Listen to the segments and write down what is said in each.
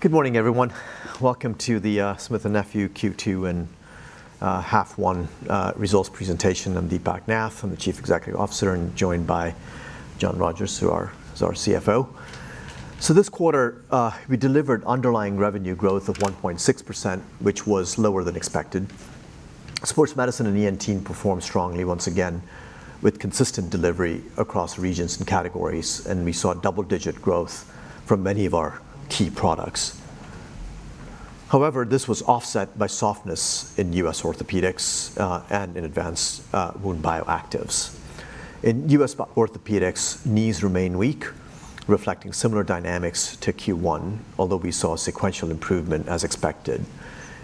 Good morning, everyone. Welcome to the Smith & Nephew Q2 and Half One Results Presentation. I'm Deepak Nath. I'm the Chief Executive Officer, and joined by John Rogers, who is our CFO. This quarter, we delivered underlying revenue growth of 1.6%, which was lower than expected. Sports Medicine and ENT performed strongly once again, with consistent delivery across regions and categories, and we saw double-digit growth from many of our key products. However, this was offset by softness in U.S. Orthopedics, and in Advanced Wound Bioactives. In U.S. Orthopedics, knees remain weak, reflecting similar dynamics to Q1, although we saw sequential improvement as expected,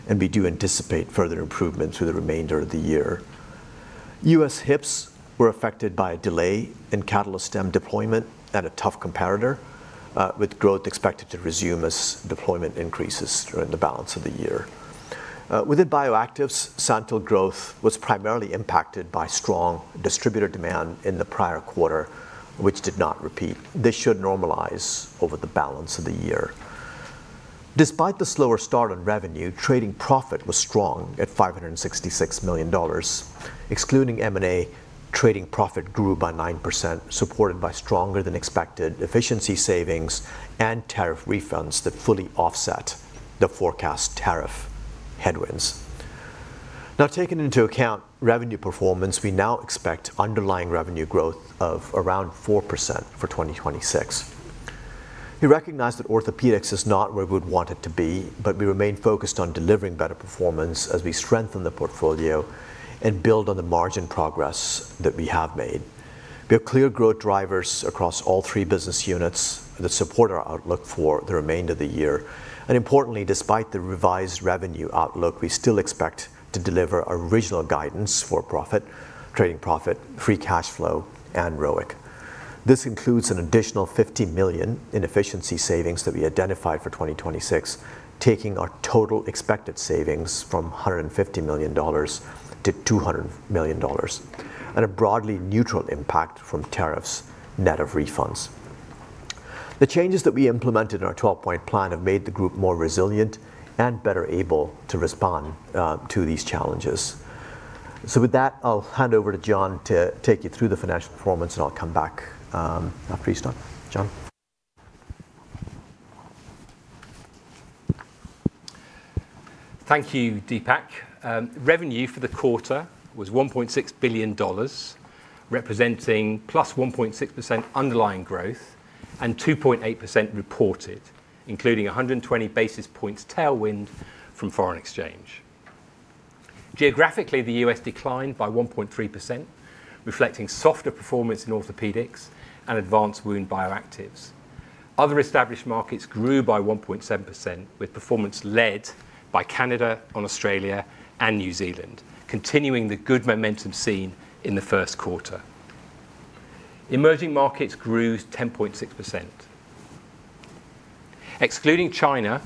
and we do anticipate further improvement through the remainder of the year. U.S. hips were affected by a delay in CATALYSTEM deployment and a tough comparator, with growth expected to resume as deployment increases during the balance of the year. Within Bioactives, SANTYL growth was primarily impacted by strong distributor demand in the prior quarter, which did not repeat. This should normalize over the balance of the year. Despite the slower start on revenue, trading profit was strong at $566 million. Excluding M&A, trading profit grew by 9%, supported by stronger than expected efficiency savings and tariff refunds that fully offset the forecast tariff headwinds. Taking into account revenue performance, we now expect underlying revenue growth of around 4% for 2026. We recognize that Orthopedics is not where we would want it to be, but we remain focused on delivering better performance as we strengthen the portfolio and build on the margin progress that we have made. We have clear growth drivers across all three business units that support our outlook for the remainder of the year. Importantly, despite the revised revenue outlook, we still expect to deliver our original guidance for profit, trading profit, free cash flow, and ROIC. This includes an additional $50 million in efficiency savings that we identified for 2026, taking our total expected savings from $150 million to $200 million, and a broadly neutral impact from tariffs, net of refunds. The changes that we implemented in our 12-point plan have made the group more resilient and better able to respond to these challenges. With that, I'll hand over to John to take you through the financial performance, and I'll come back after you start. John. Thank you, Deepak. Revenue for the quarter was $1.6 billion, representing +1.6% underlying growth and 2.8% reported, including 120 basis points tailwind from foreign exchange. Geographically, the U.S. declined by 1.3%, reflecting softer performance in Orthopedics and Advanced Wound Bioactives. Other established markets grew by 1.7%, with performance led by Canada on Australia and New Zealand, continuing the good momentum seen in the first quarter. Emerging markets grew 10.6%. Excluding China,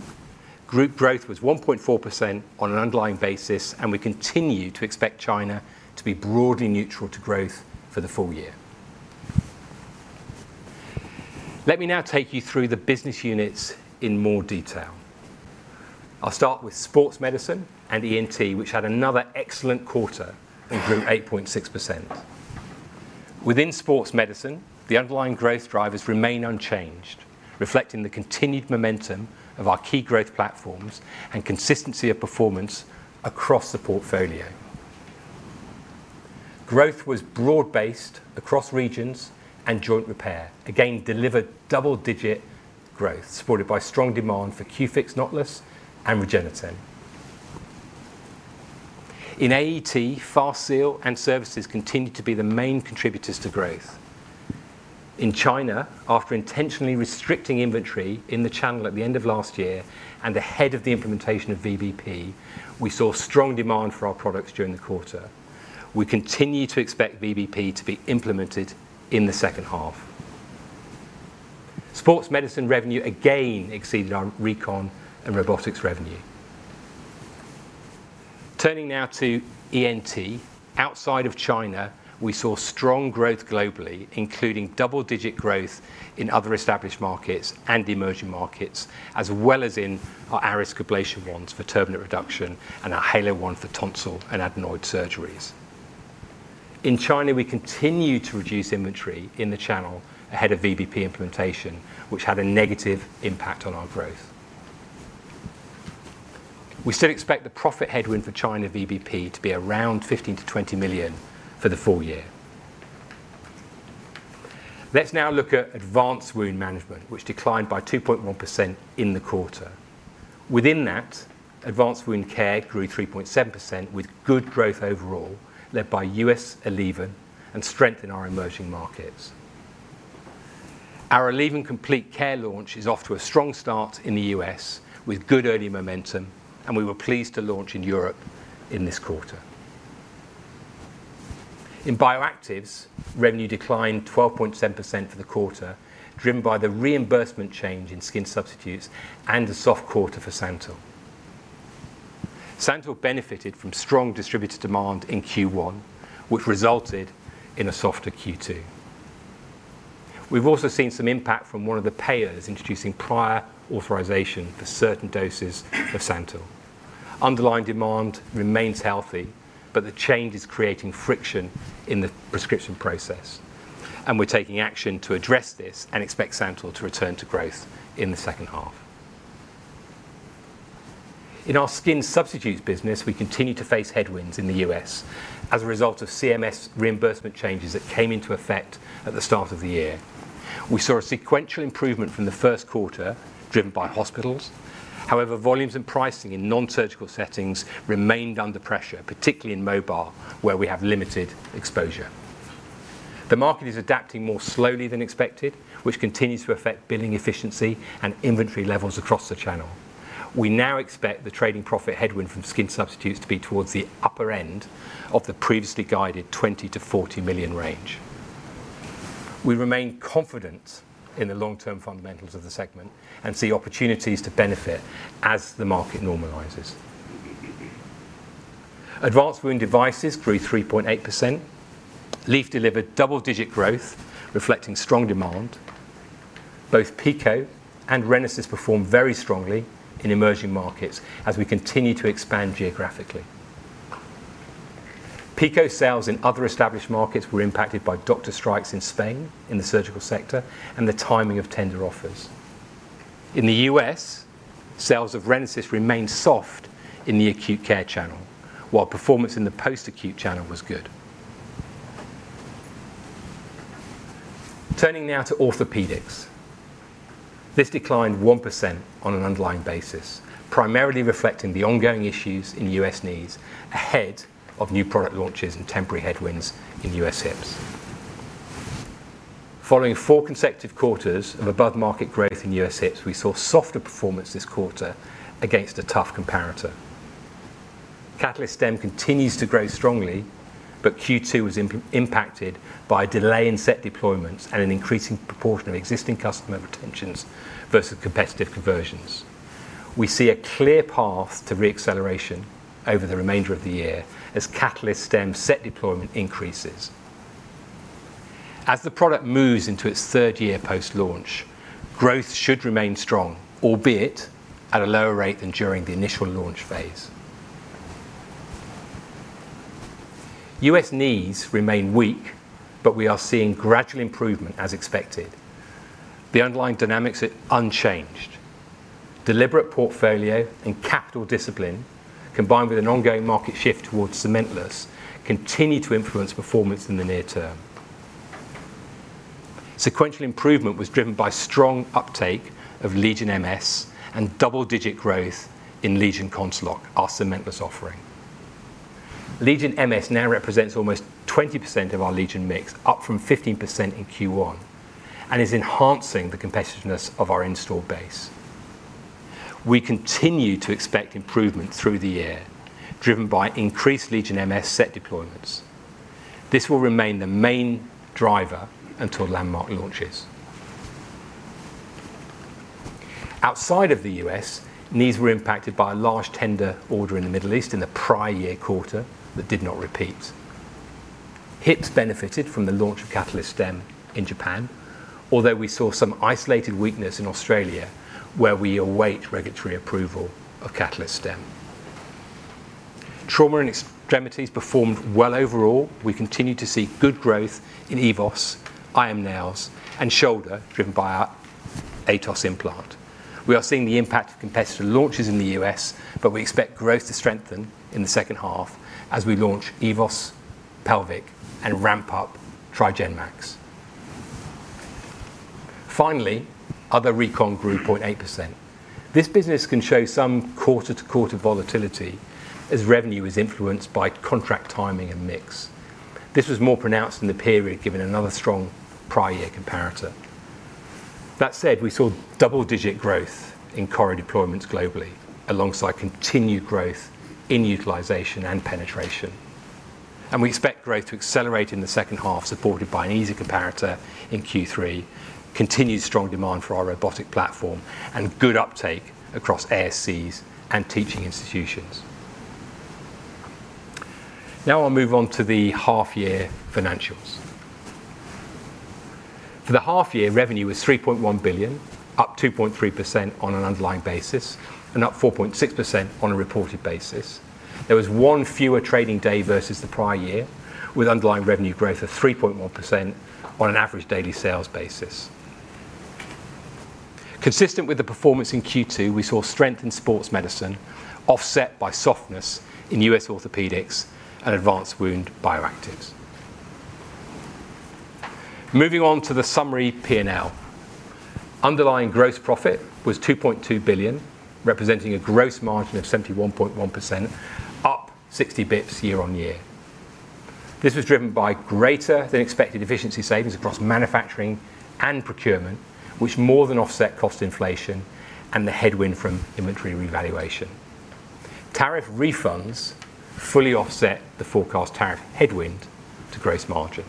group growth was 1.4% on an underlying basis, and we continue to expect China to be broadly neutral to growth for the full year. Let me now take you through the business units in more detail. I'll start with Sports Medicine and ENT, which had another excellent quarter and grew 8.6%. Within Sports Medicine, the underlying growth drivers remain unchanged, reflecting the continued momentum of our key growth platforms and consistency of performance across the portfolio. Growth was broad based across regions and Joint Repair. Again, delivered double digit growth, supported by strong demand for Q-FIX KNOTLESS and REGENETEN. In AE/TE, FASTSEAL and services continued to be the main contributors to growth. In China, after intentionally restricting inventory in the channel at the end of last year and ahead of the implementation of VBP, we saw strong demand for our products during the quarter. We continue to expect VBP to be implemented in the second half. Sports Medicine revenue again exceeded our recon and robotics revenue. Turning now to ENT. Outside of China, we saw strong growth globally, including double digit growth in other established markets and emerging markets, as well as in our ARIS ablation wands for turbinate reduction and our HALO wand for tonsil and adenoid surgeries. In China, we continue to reduce inventory in the channel ahead of VBP implementation, which had a negative impact on our growth. We still expect the profit headwind for China VBP to be around $15 million-$20 million for the full year. Let's now look at Advanced Wound Management, which declined by 2.1% in the quarter. Within that, Advanced Wound Care grew 3.7% with good growth overall, led by U.S. ALLEVYN and strength in our emerging markets. Our ALLEVYN COMPLETE CARE launch is off to a strong start in the U.S. with good early momentum, and we were pleased to launch in Europe in this quarter. In Bioactives, revenue declined 12.7% for the quarter, driven by the reimbursement change in skin substitutes and a soft quarter for SANTYL. SANTYL benefited from strong distributor demand in Q1, which resulted in a softer Q2. We've also seen some impact from one of the payers introducing prior authorization for certain doses of SANTYL. Underlying demand remains healthy, but the change is creating friction in the prescription process, and we're taking action to address this and expect SANTYL to return to growth in the second half. In our skin substitutes business, we continue to face headwinds in the U.S. as a result of CMS reimbursement changes that came into effect at the start of the year. We saw a sequential improvement from the first quarter, driven by hospitals. However, volumes and pricing in non-surgical settings remained under pressure, particularly in mobile, where we have limited exposure. The market is adapting more slowly than expected, which continues to affect billing efficiency and inventory levels across the channel. We now expect the trading profit headwind from skin substitutes to be towards the upper end of the previously guided $20 million-$40 million range. We remain confident in the long-term fundamentals of the segment and see opportunities to benefit as the market normalizes. Advanced Wound Devices grew 3.8%. LEAF delivered double digit growth, reflecting strong demand. Both PICO and RENASYS performed very strongly in emerging markets as we continue to expand geographically. PICO sales in other established markets were impacted by doctor strikes in Spain, in the surgical sector, and the timing of tender offers. In the U.S., sales of RENASYS remained soft in the acute care channel, while performance in the post-acute channel was good. Turning now to Orthopaedics. This declined 1% on an underlying basis, primarily reflecting the ongoing issues in U.S. knees ahead of new product launches and temporary headwinds in U.S. hips. Following four consecutive quarters of above-market growth in U.S. hips, we saw softer performance this quarter against a tough comparator. CATALYSTEM continues to grow strongly, but Q2 was impacted by a delay in set deployments and an increasing proportion of existing customer retentions versus competitive conversions. We see a clear path to re-acceleration over the remainder of the year as CATALYSTEM set deployment increases. As the product moves into its third year post-launch, growth should remain strong, albeit at a lower rate than during the initial launch phase. U.S. knees remain weak, but we are seeing gradual improvement as expected. The underlying dynamics are unchanged. Deliberate portfolio and capital discipline, combined with an ongoing market shift towards cementless, continue to influence performance in the near term. Sequential improvement was driven by strong uptake of LEGION MS and double-digit growth in LEGION CONCELOC, our cementless offering. LEGION MS now represents almost 20% of our LEGION mix, up from 15% in Q1, and is enhancing the competitiveness of our installed base. We continue to expect improvement through the year, driven by increased LEGION MS set deployments. This will remain the main driver until LANDMARK launches. Outside of the U.S., knees were impacted by a large tender order in the Middle East in the prior year quarter that did not repeat. Hips benefited from the launch of CATALYSTEM in Japan, although we saw some isolated weakness in Australia where we await regulatory approval of CATALYSTEM. Trauma and extremities performed well overall. We continue to see good growth in EVOS, IM nails, and shoulder, driven by our AETOS implant. We are seeing the impact of competitor launches in the U.S., but we expect growth to strengthen in the second half as we launch EVOS Pelvic and ramp up TRIGEN MAX. Finally, other recon grew 0.8%. This business can show some quarter-over-quarter volatility as revenue is influenced by contract timing and mix. This was more pronounced in the period, given another strong prior year comparator. That said, we saw double-digit growth in CORI deployments globally, alongside continued growth in utilization and penetration. We expect growth to accelerate in the second half, supported by an easier comparator in Q3, continued strong demand for our robotic platform, and good uptake across ASCs and teaching institutions. Now I'll move on to the half-year financials. For the half year, revenue was $3.1 billion, up 2.3% on an underlying basis and up 4.6% on a reported basis. There was one fewer trading day versus the prior year, with underlying revenue growth of 3.1% on an average daily sales basis. Consistent with the performance in Q2, we saw strength in Sports Medicine offset by softness in U.S. Orthopaedics and Advanced Wound Bioactives. Moving on to the summary P&L. Underlying gross profit was $2.2 billion, representing a gross margin of 71.1%, up 60 basis points year-over-year. This was driven by greater than expected efficiency savings across manufacturing and procurement, which more than offset cost inflation and the headwind from inventory revaluation. Tariff refunds fully offset the forecast tariff headwind to gross margin.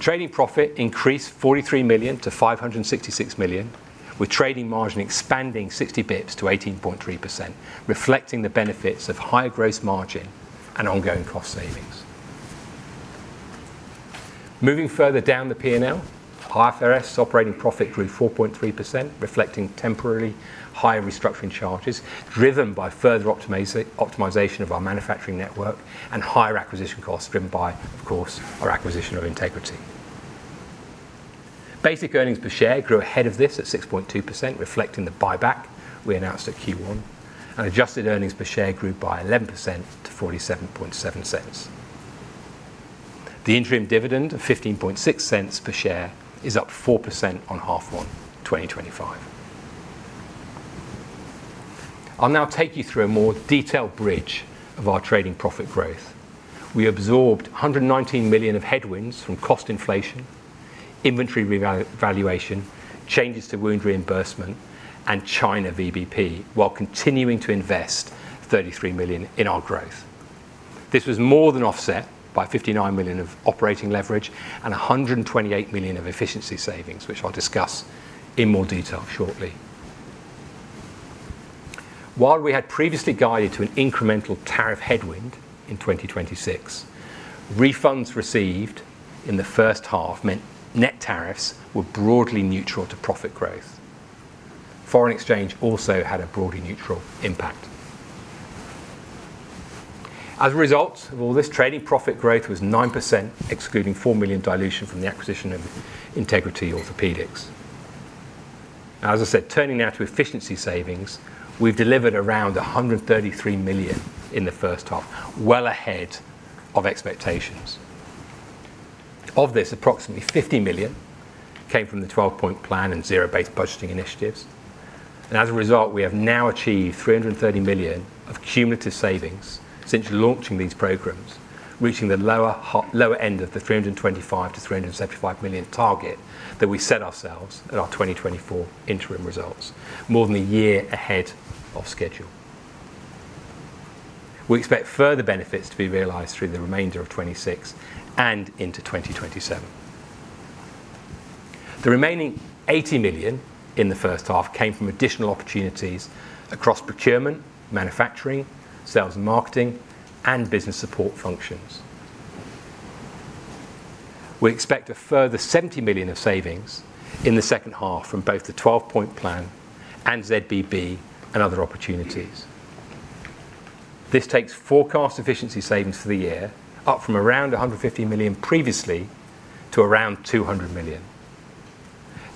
Trading profit increased $43 million to $566 million, with trading margin expanding 60 basis points to 18.3%, reflecting the benefits of higher gross margin and ongoing cost savings. Moving further down the P&L, Our operating profit grew 4.3%, reflecting temporarily higher restructuring charges, driven by further optimization of our manufacturing network and higher acquisition costs driven by, of course, our acquisition of Integrity. Basic earnings per share grew ahead of this at 6.2%, reflecting the buyback we announced at Q1, and adjusted earnings per share grew by 11% to $0.477. The interim dividend of $0.156 per share is up 4% on half one, 2025. I'll now take you through a more detailed bridge of our trading profit growth. We absorbed $119 million of headwinds from cost inflation, inventory revaluation, changes to wound reimbursement, and China VBP while continuing to invest $33 million in our growth. This was more than offset by $59 million of operating leverage and $128 million of efficiency savings, which I'll discuss in more detail shortly. While we had previously guided to an incremental tariff headwind in 2026, refunds received in the first half meant net tariffs were broadly neutral to profit growth. Foreign exchange also had a broadly neutral impact. As a result of all this, trading profit growth was 9%, excluding $4 million dilution from the acquisition of Integrity Orthopaedics. Now, as I said, turning now to efficiency savings, we've delivered around $133 million in the first half, well ahead of expectations. Of this, approximately $50 million came from the 12-point plan and zero-based budgeting initiatives. As a result, we have now achieved $330 million of cumulative savings since launching these programs, reaching the lower end of the $325 million-$375 million target that we set ourselves at our 2024 interim results, more than a year ahead of schedule. We expect further benefits to be realized through the remainder of 2026 and into 2027. The remaining $80 million in the first half came from additional opportunities across procurement, manufacturing, sales and marketing, and business support functions. We expect a further $70 million of savings in the second half from both the 12-point plan and ZBB and other opportunities. This takes forecast efficiency savings for the year up from around $150 million previously to around $200 million.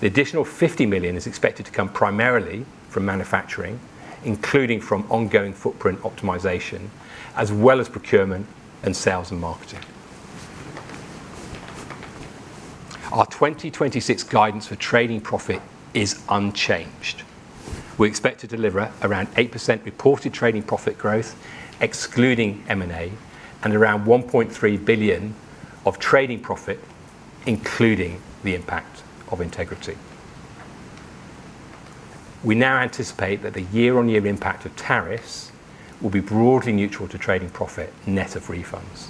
The additional $50 million is expected to come primarily from manufacturing, including from ongoing footprint optimization, as well as procurement and sales and marketing. Our 2026 guidance for trading profit is unchanged. We expect to deliver around 8% reported trading profit growth excluding M&A and around $1.3 billion of trading profit, including the impact of Integrity. We now anticipate that the year-on-year impact of tariffs will be broadly neutral to trading profit, net of refunds.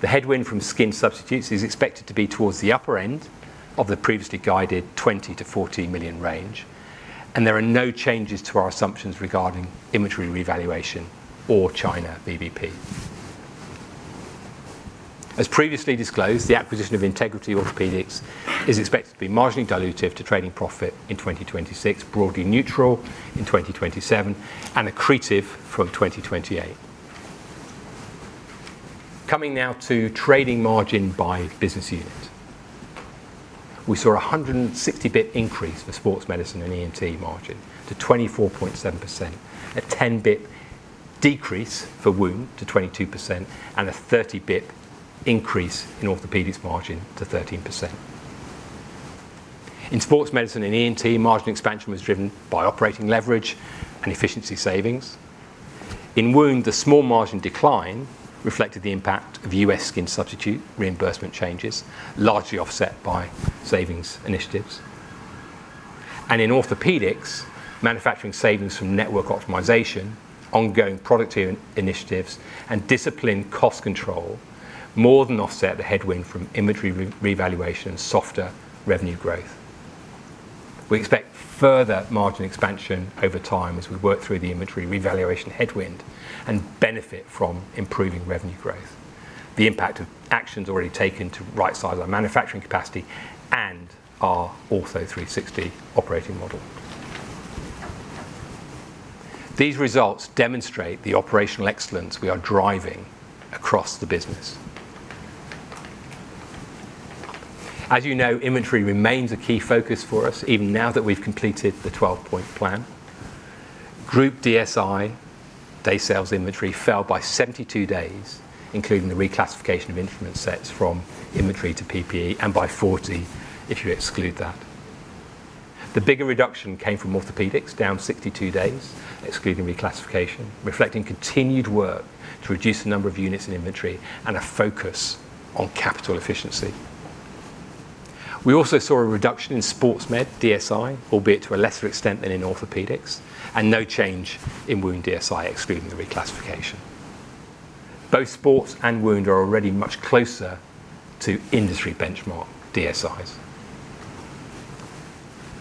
The headwind from skin substitutes is expected to be towards the upper end of the previously guided $20 million-$40 million range, and there are no changes to our assumptions regarding inventory revaluation or China VBP. As previously disclosed, the acquisition of Integrity Orthopaedics is expected to be marginally dilutive to trading profit in 2026, broadly neutral in 2027, and accretive from 2028. Coming now to trading margin by business unit. We saw 160 basis points increase for Sports Medicine and ENT margin to 24.7%, a 10 basis points decrease for wound to 22%, and a 30 basis points increase in Orthopaedics margin to 13%. In Sports Medicine and ENT, margin expansion was driven by operating leverage and efficiency savings. In wound, the small margin decline reflected the impact of U.S. skin substitute reimbursement changes, largely offset by savings initiatives. In Orthopaedics, manufacturing savings from network optimization, ongoing productivity initiatives, and disciplined cost control more than offset the headwind from inventory revaluation and softer revenue growth. We expect further margin expansion over time as we work through the inventory revaluation headwind and benefit from improving revenue growth, the impact of actions already taken to right-size our manufacturing capacity, and our Ortho 360 operating model. These results demonstrate the operational excellence we are driving across the business. As you know, inventory remains a key focus for us even now that we've completed the 12-point plan. Group DSI, day sales inventory, fell by 72 days, including the reclassification of instrument sets from inventory to PPE, and by 40 if you exclude that. The bigger reduction came from Orthopaedics, down 62 days, excluding reclassification, reflecting continued work to reduce the number of units in inventory and a focus on capital efficiency. We also saw a reduction in sports med DSI, albeit to a lesser extent than in Orthopaedics, and no change in wound DSI excluding the reclassification. Both sports and wound are already much closer to industry benchmark DSIs.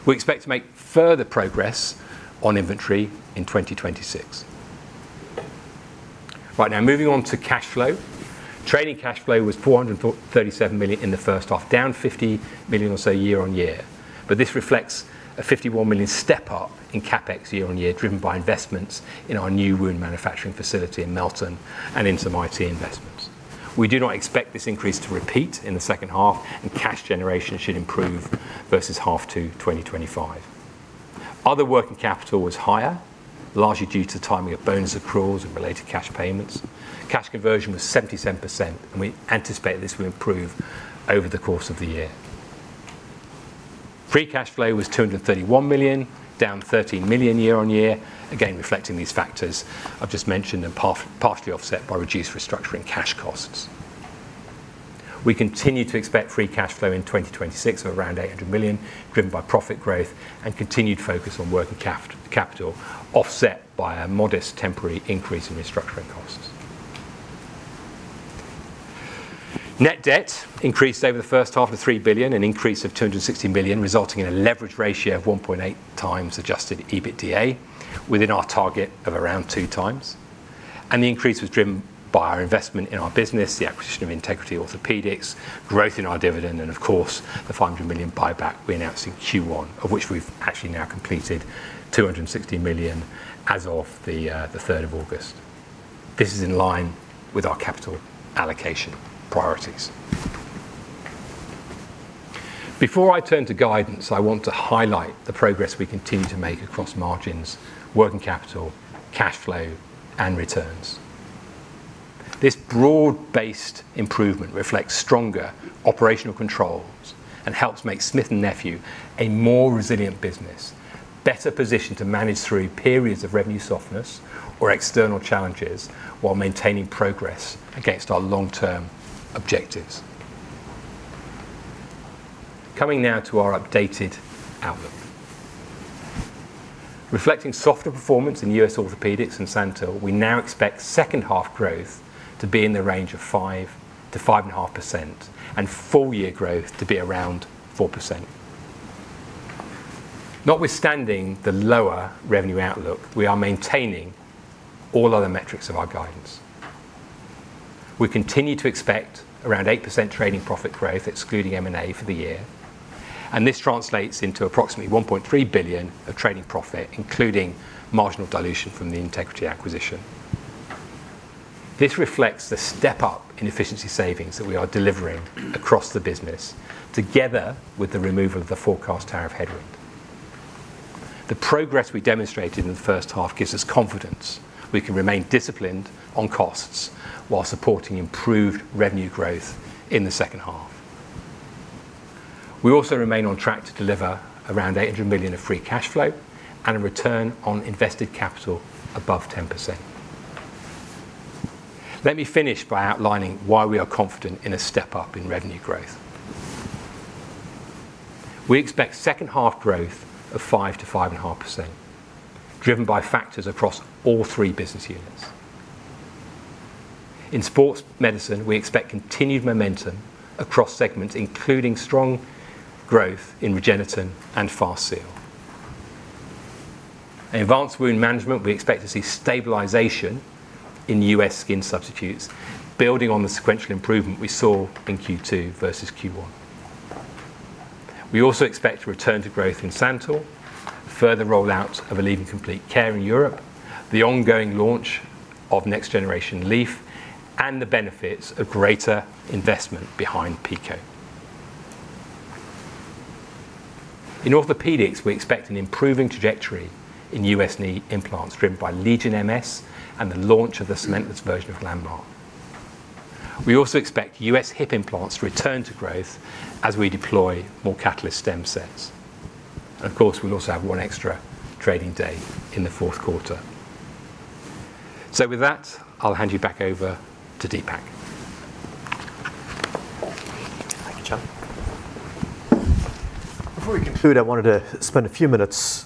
We expect to make further progress on inventory in 2026. Right now, moving on to cash flow. Trading cash flow was $437 million in the first half, down $50 million or so year-over-year. This reflects a $51 million step-up in CapEx year-over-year, driven by investments in our new wound manufacturing facility in Melton and in some IT investments. We do not expect this increase to repeat in the second half, and cash generation should improve versus half to 2025. Other working capital was higher, largely due to timing of bonus accruals and related cash payments. Cash conversion was 77%, and we anticipate this will improve over the course of the year. Free cash flow was $231 million, down $13 million year-over-year, again, reflecting these factors I've just mentioned and partially offset by reduced restructuring cash costs. We continue to expect free cash flow in 2026 of around $800 million, driven by profit growth and continued focus on working capital, offset by a modest temporary increase in restructuring costs. Net debt increased over the first half to $3 billion, an increase of $260 million, resulting in a leverage ratio of 1.8x adjusted EBITDA within our target of around 2x. The increase was driven by our investment in our business, the acquisition of Integrity Orthopaedics, growth in our dividend, and of course, the $500 million buyback we announced in Q1, of which we've actually now completed $260 million as of the 3rd of August. This is in line with our capital allocation priorities. Before I turn to guidance, I want to highlight the progress we continue to make across margins, working capital, cash flow, and returns. This broad-based improvement reflects stronger operational controls and helps make Smith & Nephew a more resilient business, better positioned to manage through periods of revenue softness or external challenges while maintaining progress against our long-term objectives. Coming now to our updated outlook. Reflecting softer performance in U.S. Orthopaedics and SANTYL, we now expect second half growth to be in the range of 5%-5.5%, and full year growth to be around 4%. Notwithstanding the lower revenue outlook, we are maintaining all other metrics of our guidance. We continue to expect around 8% trading profit growth, excluding M&A for the year. This translates into approximately $1.3 billion of trading profit, including marginal dilution from the Integrity acquisition. This reflects the step-up in efficiency savings that we are delivering across the business, together with the removal of the forecast tariff headwind. The progress we demonstrated in the first half gives us confidence we can remain disciplined on costs while supporting improved revenue growth in the second half. We also remain on track to deliver around $800 million of free cash flow and a return on invested capital above 10%. Let me finish by outlining why we are confident in a step-up in revenue growth. We expect second half growth of 5%-5.5%, driven by factors across all three business units. In Sports Medicine, we expect continued momentum across segments, including strong growth in REGENETEN and FAST-FIX. In Advanced Wound Management, we expect to see stabilization in U.S. skin substitutes, building on the sequential improvement we saw in Q2 versus Q1. We also expect a return to growth in SANTYL, further rollout of ALLEVYN COMPLETE CARE in Europe, the ongoing launch of next generation LEAF, and the benefits of greater investment behind PICO. In Orthopaedics, we expect an improving trajectory in U.S. knee implants driven by LEGION MS and the launch of the cementless version of LANDMARK. We also expect U.S. hip implants to return to growth as we deploy more CATALYSTEM sets. Of course, we'll also have one extra trading day in the fourth quarter. With that, I'll hand you back over to Deepak. Thank you, John. Before we conclude, I wanted to spend a few minutes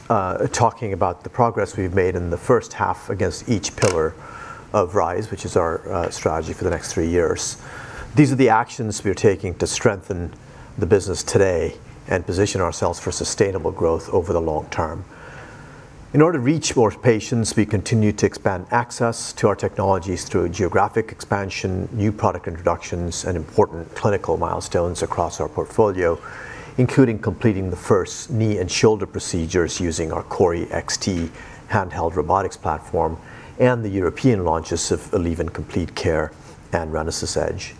talking about the progress we've made in the first half against each pillar of RISE, which is our strategy for the next three years. These are the actions we are taking to strengthen the business today and position ourselves for sustainable growth over the long term. In order to reach more patients, we continue to expand access to our technologies through geographic expansion, new product introductions, and important clinical milestones across our portfolio, including completing the first knee and shoulder procedures using our CORI XT handheld robotics platform and the European launches of ALLEVYN COMPLETE CARE and RENASYS EDGE.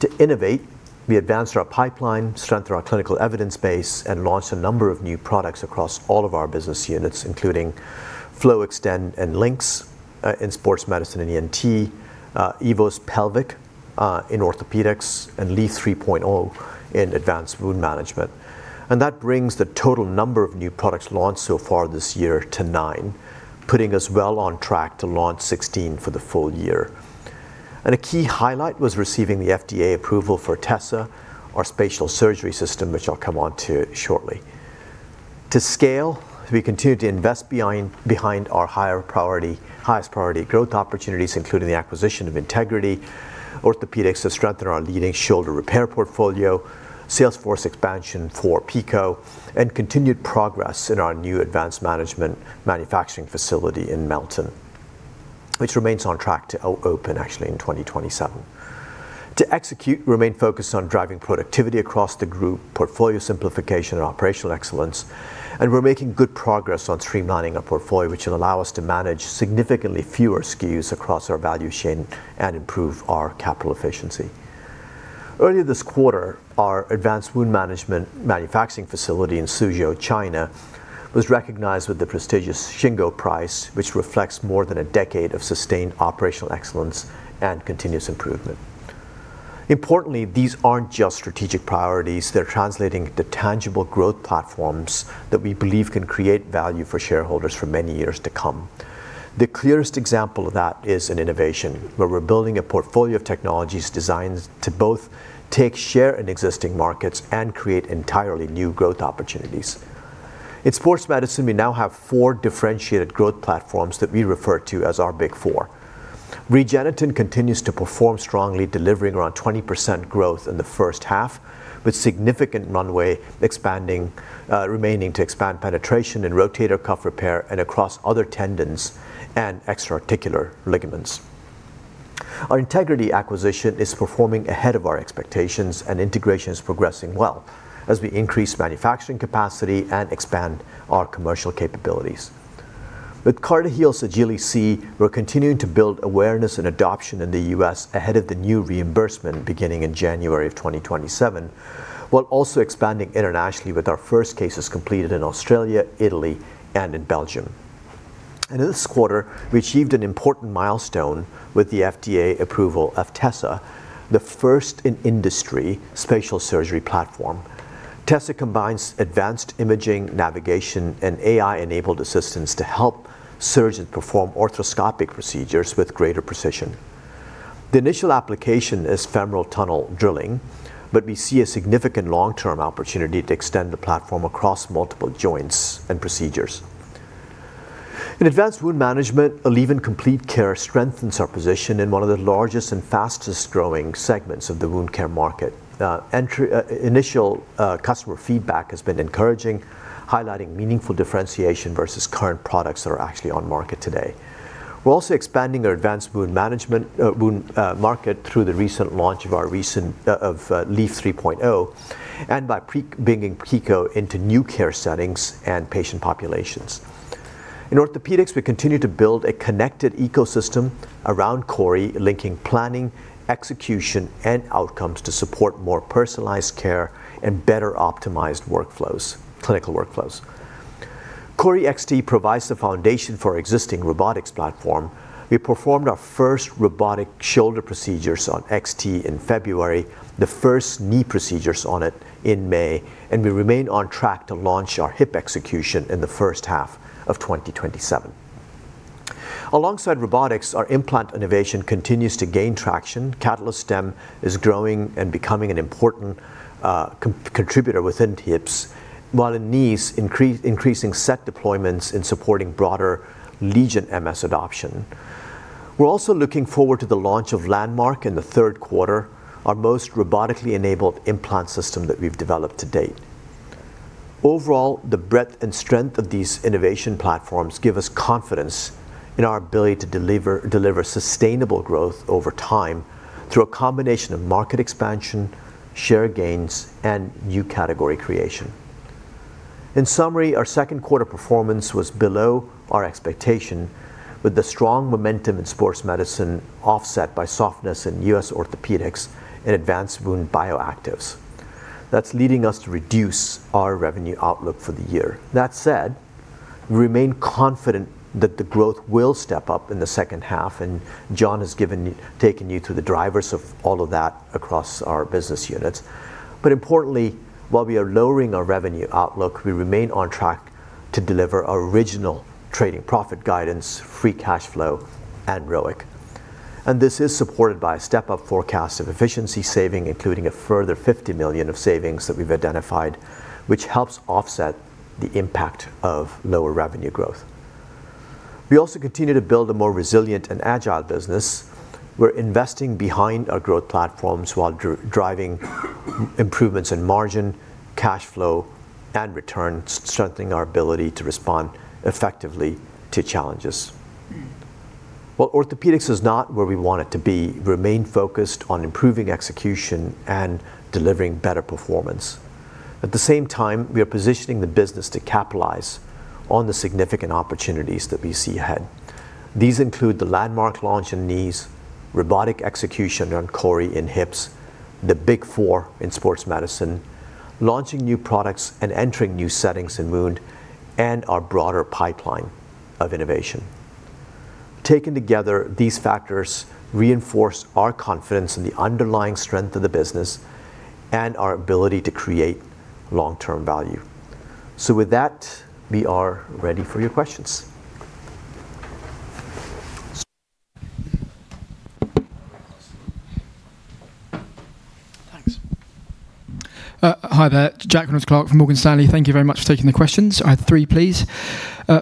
To innovate, we advanced our pipeline, strengthened our clinical evidence base, and launched a number of new products across all of our business units, including FLOW FLEXTEND and LYNX in Sports Medicine and ENT, EVOS Pelvic in Orthopaedics, and LEAF 3.0 in Advanced Wound Management. That brings the total number of new products launched so far this year to nine, putting us well on track to launch 16 for the full year. A key highlight was receiving the FDA approval for TESSA, our spatial surgery system, which I'll come on to shortly. To scale, we continue to invest behind our highest priority growth opportunities, including the acquisition of Integrity Orthopaedics to strengthen our leading shoulder repair portfolio, sales force expansion for PICO, and continued progress in our new Advanced Wound Management manufacturing facility in Melton, which remains on track to open actually in 2027. To execute, remain focused on driving productivity across the group, portfolio simplification, and operational excellence. We're making good progress on streamlining our portfolio, which will allow us to manage significantly fewer SKUs across our value chain and improve our capital efficiency. Earlier this quarter, our Advanced Wound Management manufacturing facility in Suzhou, China, was recognized with the prestigious Shingo Prize, which reflects more than a decade of sustained operational excellence and continuous improvement. These aren't just strategic priorities. They're translating into tangible growth platforms that we believe can create value for shareholders for many years to come. The clearest example of that is in innovation, where we're building a portfolio of technologies designed to both take share in existing markets and create entirely new growth opportunities. In Sports Medicine, we now have four differentiated growth platforms that we refer to as our Big Four. REGENETEN continues to perform strongly, delivering around 20% growth in the first half, with significant runway remaining to expand penetration in rotator cuff repair and across other tendons and extra-articular ligaments. Our Integrity acquisition is performing ahead of our expectations, and integration is progressing well as we increase manufacturing capacity and expand our commercial capabilities. With CARTIHEAL AGILI-C, we're continuing to build awareness and adoption in the U.S. ahead of the new reimbursement beginning in January of 2027, while also expanding internationally with our first cases completed in Australia, Italy, and in Belgium. In this quarter, we achieved an important milestone with the FDA approval of TESSA, the first in industry spatial surgery platform. TESSA combines advanced imaging, navigation, and AI-enabled assistance to help surgeons perform arthroscopic procedures with greater precision. The initial application is femoral tunnel drilling. We see a significant long-term opportunity to extend the platform across multiple joints and procedures. In Advanced Wound Management, ALLEVYN COMPLETE CARE strengthens our position in one of the largest and fastest-growing segments of the wound care market. Initial customer feedback has been encouraging, highlighting meaningful differentiation versus current products that are actually on market today. We're also expanding our Advanced Wound market through the recent launch of LEAF 3.0 and by bringing PICO into new care settings and patient populations. In Orthopaedics, we continue to build a connected ecosystem around CORI, linking planning, execution, and outcomes to support more personalized care and better optimized clinical workflows. CORI XT provides the foundation for our existing robotics platform. We performed our first robotic shoulder procedures on XT in February, the first knee procedures on it in May. We remain on track to launch our hip execution in the first half of 2027. Alongside robotics, our implant innovation continues to gain traction. CATALYSTEM is growing and becoming an important contributor within hips, while in knees, increasing set deployments and supporting broader LEGION MS adoption. We're also looking forward to the launch of LANDMARK in the third quarter, our most robotically enabled implant system that we've developed to date. The breadth and strength of these innovation platforms give us confidence in our ability to deliver sustainable growth over time through a combination of market expansion, share gains, and new category creation. In summary, our second quarter performance was below our expectation, with the strong momentum in Sports Medicine offset by softness in U.S. Orthopaedics and Advanced Wound Bioactives. That's leading us to reduce our revenue outlook for the year. That said, we remain confident that the growth will step up in the second half. John has taken you through the drivers of all of that across our business units. Importantly, while we are lowering our revenue outlook, we remain on track to deliver our original trading profit guidance, free cash flow, and ROIC. This is supported by a step-up forecast of efficiency saving, including a further $50 million of savings that we've identified, which helps offset the impact of lower revenue growth. We also continue to build a more resilient and agile business. We're investing behind our growth platforms while driving improvements in margin, cash flow, and return, strengthening our ability to respond effectively to challenges. While Orthopaedics is not where we want it to be, we remain focused on improving execution and delivering better performance. At the same time, we are positioning the business to capitalize on the significant opportunities that we see ahead. These include the LANDMARK launch in knees, robotic execution on CORI in hips, the Big Four in Sports Medicine, launching new products and entering new settings in wound, and our broader pipeline of innovation. Taken together, these factors reinforce our confidence in the underlying strength of the business and our ability to create long-term value. With that, we are ready for your questions. Hi there. Jack Reynolds-Clark from Morgan Stanley. Thank you very much for taking the questions. I have three, please.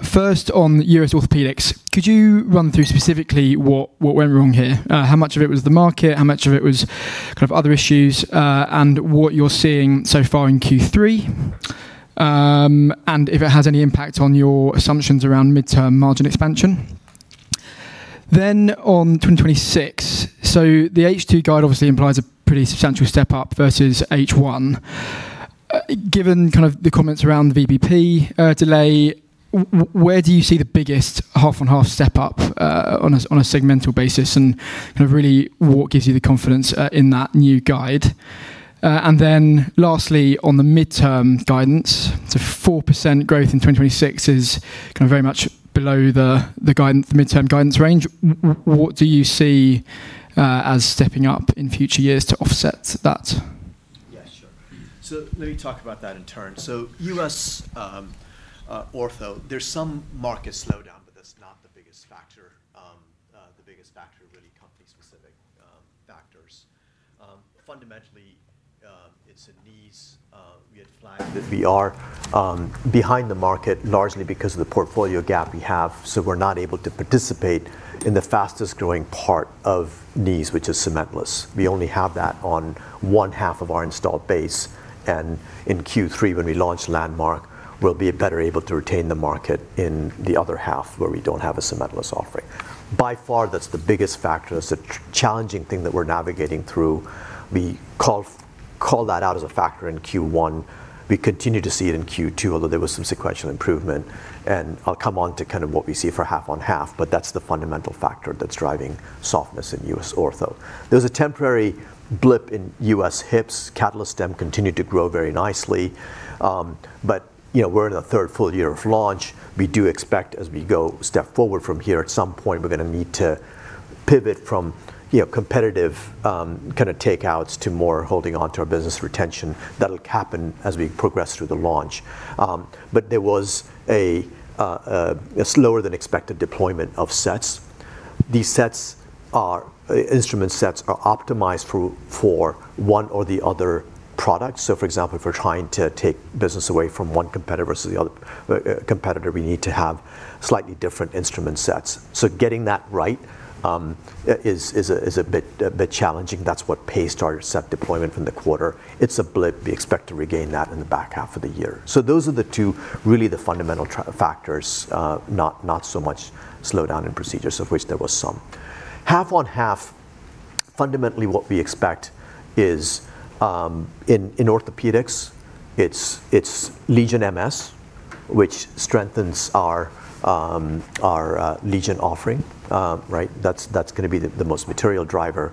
First, on U.S. Orthopaedics, could you run through specifically what went wrong here? How much of it was the market, how much of it was other issues, and what you're seeing so far in Q3? If it has any impact on your assumptions around midterm margin expansion. On 2026. The H2 guide obviously implies a pretty substantial step-up versus H1. Given the comments around VBP delay, where do you see the biggest half-on-half step-up on a segmental basis and really what gives you the confidence in that new guide? Lastly, on the midterm guidance, 4% growth in 2026 is very much below the midterm guidance range. What do you see as stepping up in future years to offset that? Yeah, sure. Let me talk about that in turn. U.S. Ortho, there's some market slowdown. That's not the biggest factor. The biggest factor are really company-specific factors. Fundamentally, it's a knees. We had flagged that we are behind the market largely because of the portfolio gap we have. We're not able to participate in the fastest-growing part of knees, which is cementless. We only have that on one half of our installed base. In Q3, when we launch LANDMARK, we'll be better able to retain the market in the other half where we don't have a cementless offering. By far, that's the biggest factor. That's the challenging thing that we're navigating through. We called that out as a factor in Q1. We continue to see it in Q2, although there was some sequential improvement. I'll come on to what we see for half-on-half, that's the fundamental factor that's driving softness in U.S. Ortho. There was a temporary blip in U.S. hips. CATALYSTEM continued to grow very nicely. We're in the third full year of launch. We do expect as we go step forward from here, at some point, we're going to need to pivot from competitive take-outs to more holding onto our business retention. That'll happen as we progress through the launch. There was a slower than expected deployment of sets. These instrument sets are optimized for one or the other products. For example, if we're trying to take business away from one competitor versus the other competitor, we need to have slightly different instrument sets. Getting that right is a bit challenging. That's what paced our set deployment from the quarter. It's a blip. We expect to regain that in the back half of the year. Those are the two really the fundamental factors, not so much slowdown in procedures, of which there was some. Half-on-half, fundamentally what we expect is in Orthopaedics, it's LEGION MS, which strengthens our LEGION offering. That's going to be the most material driver.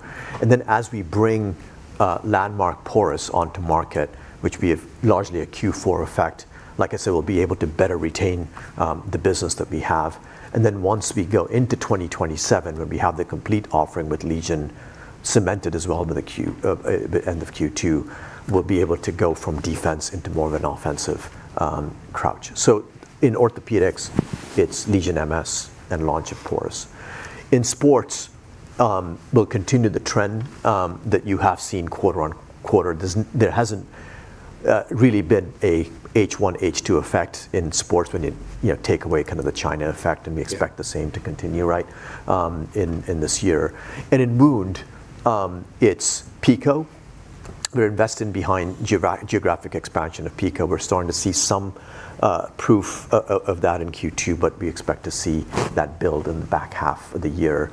As we bring LANDMARK Porous onto market, which will be largely a Q4 effect, like I said, we'll be able to better retain the business that we have. Once we go into 2027, when we have the complete offering with LEGION cemented as well by the end of Q2, we'll be able to go from defense into more of an offensive crouch. In Orthopaedics, it's LEGION MS and launch of Porous. In Sports, we'll continue the trend that you have seen quarter-on-quarter. There hasn't really been a H1, H2 effect in Sports when you take away the China effect, and we expect the same to continue in this year. In Wound, it's PICO. We're investing behind geographic expansion of PICO. We're starting to see some proof of that in Q2, we expect to see that build in the back half of the year.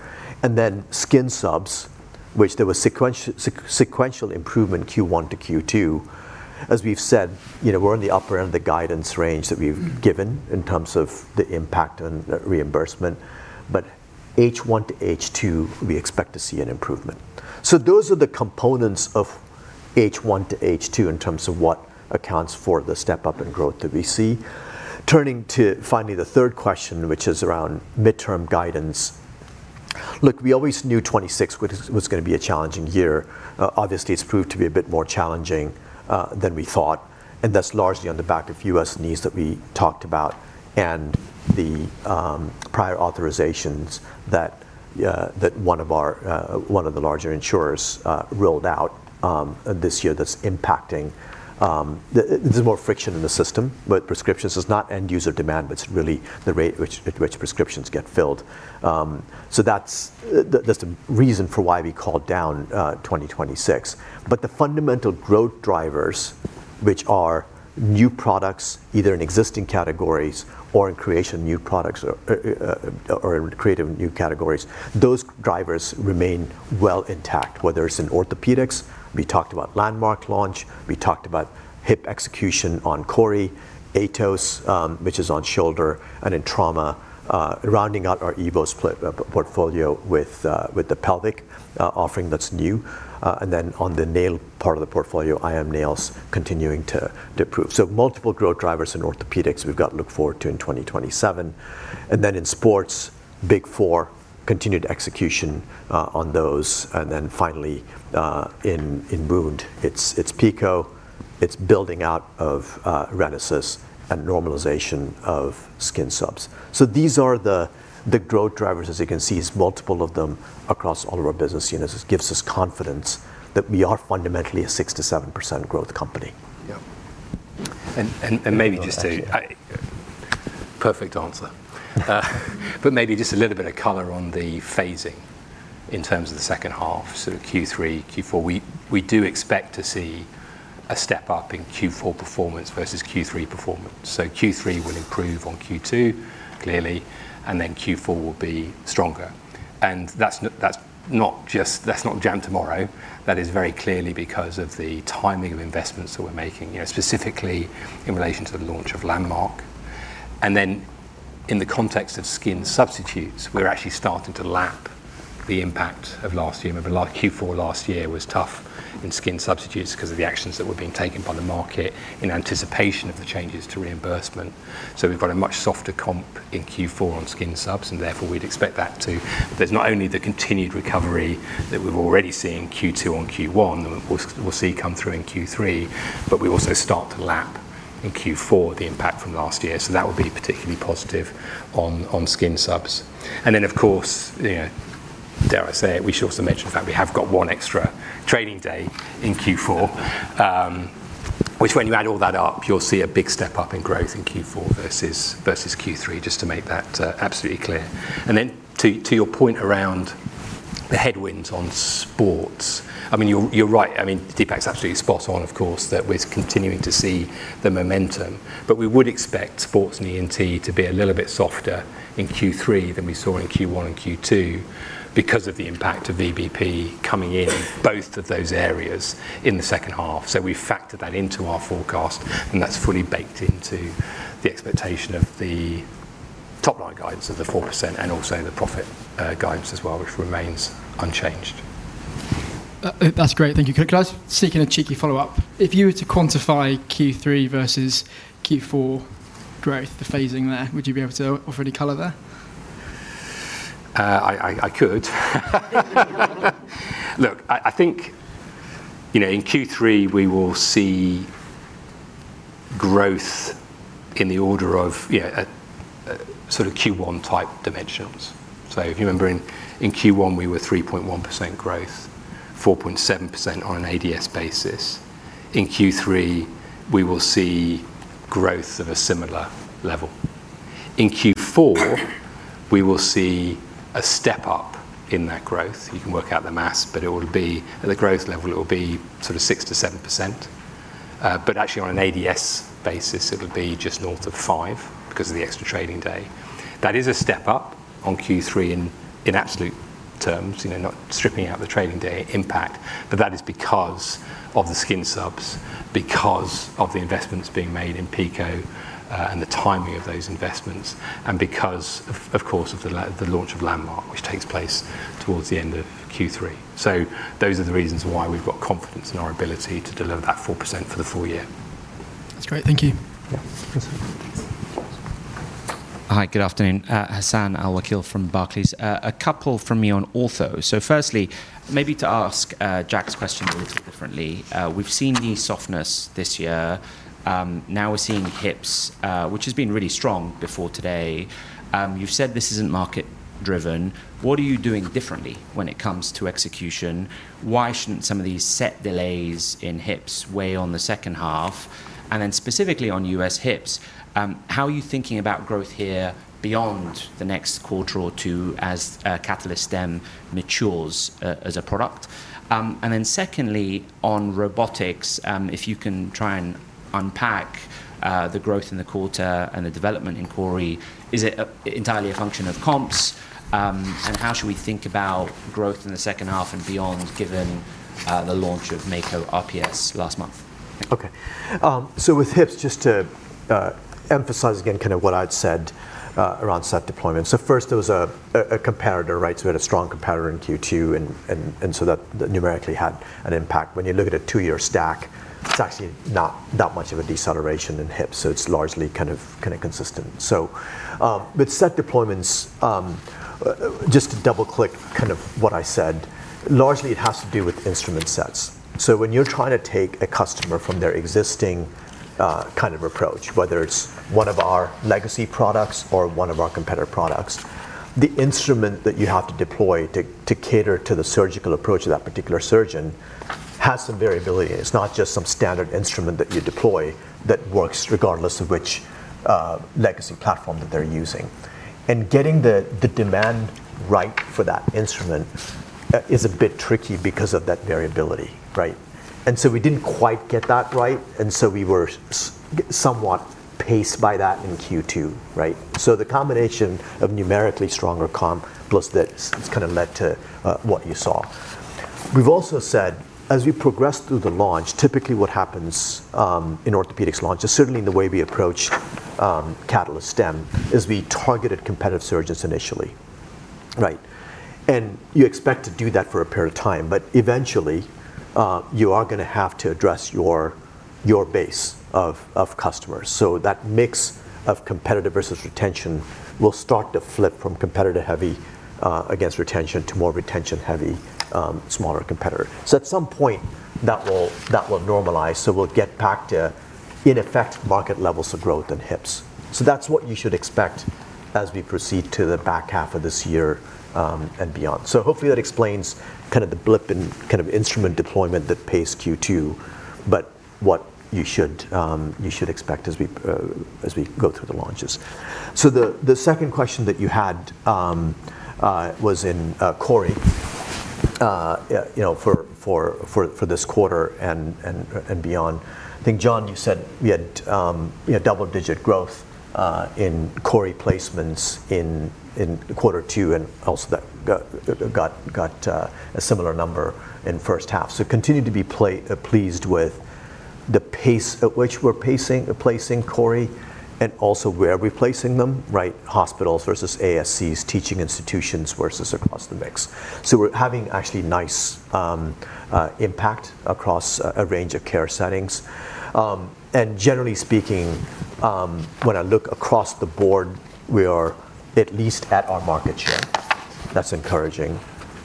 Skin subs, which there was sequential improvement Q1 to Q2. As we've said, we're on the upper end of the guidance range that we've given in terms of the impact on reimbursement, H1 to H2, we expect to see an improvement. Those are the components of H1 to H2 in terms of what accounts for the step-up in growth that we see. Turning to finally the third question, which is around midterm guidance. Look, we always knew 2026 was going to be a challenging year. Obviously, it's proved to be a bit more challenging than we thought, and that's largely on the back of U.S. knees that we talked about and the prior authorizations that one of the larger insurers ruled out this year that's impacting. There's more friction in the system with prescriptions. It's not end-user demand, it's really the rate at which prescriptions get filled. That's the reason for why we called down 2026. The fundamental growth drivers, which are new products, either in existing categories or in creative new categories, those drivers remain well intact, whether it's in Orthopaedics, we talked about LANDMARK launch, we talked about hip execution on CORI, AETOS which is on shoulder, and in trauma, rounding out our EVOS portfolio with the Pelvic offering that's new. On the nail part of the portfolio, IM nails continuing to improve. Multiple growth drivers in Orthopaedics we've got to look forward to in 2027. In Sports, Big Four, continued execution on those. Finally, in wound, it's PICO. It's building out of RENASYS and normalization of skin subs. These are the growth drivers, as you can see, is multiple of them across all of our business units. It gives us confidence that we are fundamentally a 6%-7% growth company. Yeah. Perfect answer. Maybe just a little bit of color on the phasing in terms of the second half, so Q3, Q4. We do expect to see a step-up in Q4 performance versus Q3 performance. Q3 will improve on Q2, clearly, Q4 will be stronger. That's not jam tomorrow. That is very clearly because of the timing of investments that we're making, specifically in relation to the launch of LANDMARK. In the context of skin substitutes, we're actually starting to lap the impact of last year. Remember, Q4 last year was tough in skin substitutes because of the actions that were being taken by the market in anticipation of the changes to reimbursement. We've got a much softer comp in Q4 on skin subs. There's not only the continued recovery that we've already seen in Q2 on Q1, that we'll see come through in Q3, but we also start to lap in Q4 the impact from last year. That would be particularly positive on skin subs. Of course, dare I say it, we should also mention the fact we have got one extra trading day in Q4. When you add all that up, you'll see a big step-up in growth in Q4 versus Q3, just to make that absolutely clear. To your point around the headwinds on sports, you're right. Deepak's absolutely spot on, of course, that we're continuing to see the momentum. We would expect sports and ENT to be a little bit softer in Q3 than we saw in Q1 and Q2 because of the impact of VBP coming in both of those areas in the second half. We've factored that into our forecast, and that's fully baked into the expectation of the top line guidance of the 4% and also the profit guidance as well, which remains unchanged. That's great, thank you. Could I seek in a cheeky follow-up? If you were to quantify Q3 versus Q4 growth, the phasing there, would you be able to offer any color there? I could. That'd be really helpful. I think, in Q3, we will see growth in the order of sort of Q1 type dimensions. If you remember in Q1, we were 3.1% growth, 4.7% on an ADS basis. In Q3, we will see growth of a similar level. In Q4, we will see a step-up in that growth. You can work out the maths, but at the growth level, it will be sort of 6%-7%. Actually on an ADS basis, it'll be just north of five because of the extra trading day. That is a step-up on Q3 in absolute terms, not stripping out the trading day impact. That is because of the skin subs, because of the investments being made in PICO, and the timing of those investments, and because, of course, of the launch of LANDMARK, which takes place towards the end of Q3. Those are the reasons why we've got confidence in our ability to deliver that 4% for the full year. That's great. Thank you. Yeah. Thanks. Hi, good afternoon. Hassan Al-Wakeel from Barclays. A couple from me on Ortho. Firstly, maybe to ask Jack's question a little differently. We've seen knee softness this year. Now we're seeing hips, which has been really strong before today. You've said this isn't market driven. What are you doing differently when it comes to execution? Why shouldn't some of these set delays in hips weigh on the second half? Specifically on U.S. hips, how are you thinking about growth here beyond the next quarter or two as CATALYSTEM matures as a product? Secondly, on robotics, if you can try and unpack the growth in the quarter and the development inquiry, is it entirely a function of comps? How should we think about growth in the second half and beyond given the launch of Mako RPS last month? Okay. With hips, just to emphasize again kind of what I'd said around set deployment. First there was a comparator. We had a strong competitor in Q2, that numerically had an impact. When you look at a two-year stack, it's actually not that much of a deceleration in hips, it's largely kind of consistent. With set deployments, just to double-click kind of what I said, largely it has to do with instrument sets. When you're trying to take a customer from their existing kind of approach, whether it's one of our legacy products or one of our competitor products, the instrument that you have to deploy to cater to the surgical approach of that particular surgeon has some variability. It's not just some standard instrument that you deploy that works regardless of which legacy platform that they're using. Getting the demand right for that instrument is a bit tricky because of that variability. We didn't quite get that right, and we were somewhat paced by that in Q2. The combination of numerically stronger comp plus this has kind of led to what you saw. We've also said, as we progress through the launch, typically what happens in Orthopaedics launches, certainly in the way we approach CATALYSTEM, is we targeted competitive surgeons initially. You expect to do that for a period of time, but eventually, you are going to have to address your base of customers. That mix of competitor versus retention will start to flip from competitor-heavy against retention to more retention-heavy, smaller competitor. At some point, that will normalize, so we'll get back to, in effect, market levels of growth in hips. That's what you should expect as we proceed to the back half of this year, and beyond. Hopefully, that explains the blip in instrument deployment that paced Q2, but what you should expect as we go through the launches. The second question that you had was in CORI for this quarter and beyond. I think, John, you said we had double-digit growth in CORI placements in quarter two, and also that got a similar number in first half. Continue to be pleased with the pace at which we're placing CORI, and also where we're placing them, hospitals versus ASCs, teaching institutions versus across the mix. We're having actually nice impact across a range of care settings. Generally speaking, when I look across the board, we are at least at our market share. That's encouraging.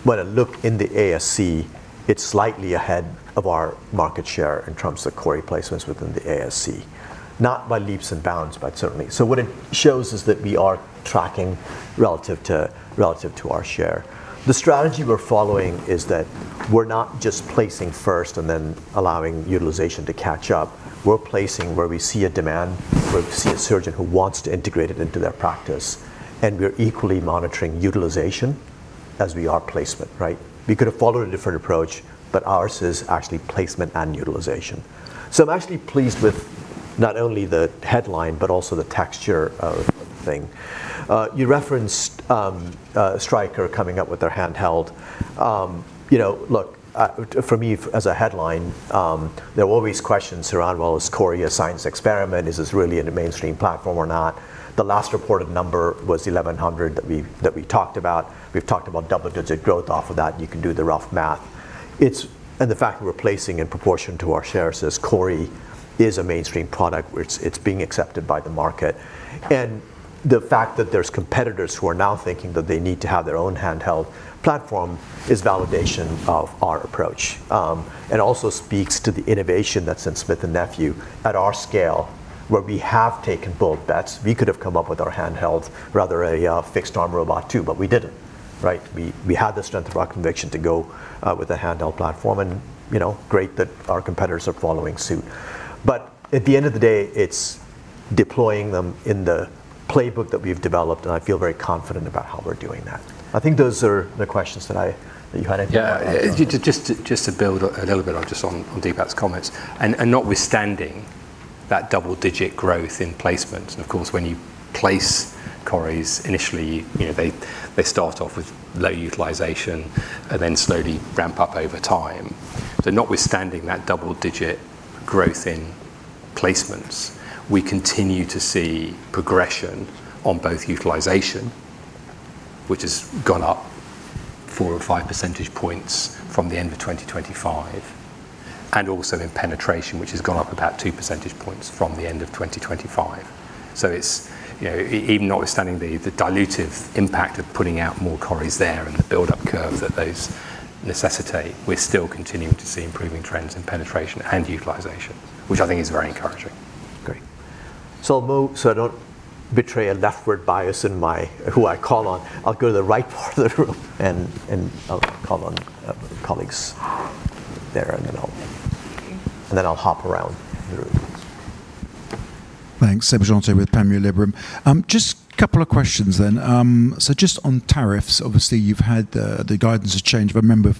When I look in the ASC, it's slightly ahead of our market share in terms of CORI placements within the ASC. Not by leaps and bounds, but certainly. What it shows is that we are tracking relative to our share. The strategy we're following is that we're not just placing first and then allowing utilization to catch up. We're placing where we see a demand, where we see a surgeon who wants to integrate it into their practice, and we're equally monitoring utilization as we are placement. We could have followed a different approach, but ours is actually placement and utilization. I'm actually pleased with not only the headline, but also the texture of the thing. You referenced Stryker coming up with their handheld. Look, for me as a headline, there are always questions around, well, is CORI a science experiment? Is this really in a mainstream platform or not? The last reported number was 1,100 that we talked about. We've talked about double-digit growth off of that, and you can do the rough math. The fact we're placing in proportion to our share says CORI is a mainstream product where it's being accepted by the market. The fact that there's competitors who are now thinking that they need to have their own handheld platform is validation of our approach, and also speaks to the innovation that's in Smith & Nephew at our scale, where we have taken bold bets. We could have come up with our handheld, rather a fixed-arm robot, too, but we didn't. We had the strength of our conviction to go with a handheld platform, and great that our competitors are following suit. At the end of the day, it's deploying them in the playbook that we've developed, and I feel very confident about how we're doing that. I think those are the questions that you had. Just to build a little bit just on Deepak's comments, notwithstanding that double-digit growth in placements, of course, when you place CORI initially, they start off with low utilization and then slowly ramp up over time. Notwithstanding that double-digit growth in placements, we continue to see progression on both utilization, which has gone up 4 or 5 percentage points from the end of 2025, also in penetration, which has gone up about 2 percentage points from the end of 2025. Notwithstanding the dilutive impact of putting out more CORI there and the buildup curve that those necessitate, we're still continuing to see improving trends in penetration and utilization, which I think is very encouraging. I'll move so I don't betray a leftward bias in who I call on. I'll go to the right part of the room and I'll call on colleagues there, I'll hop around the room. Seb Jantet with Panmure Liberum. Couple of questions. Just on tariffs, obviously, you've had the guidance change, but remember,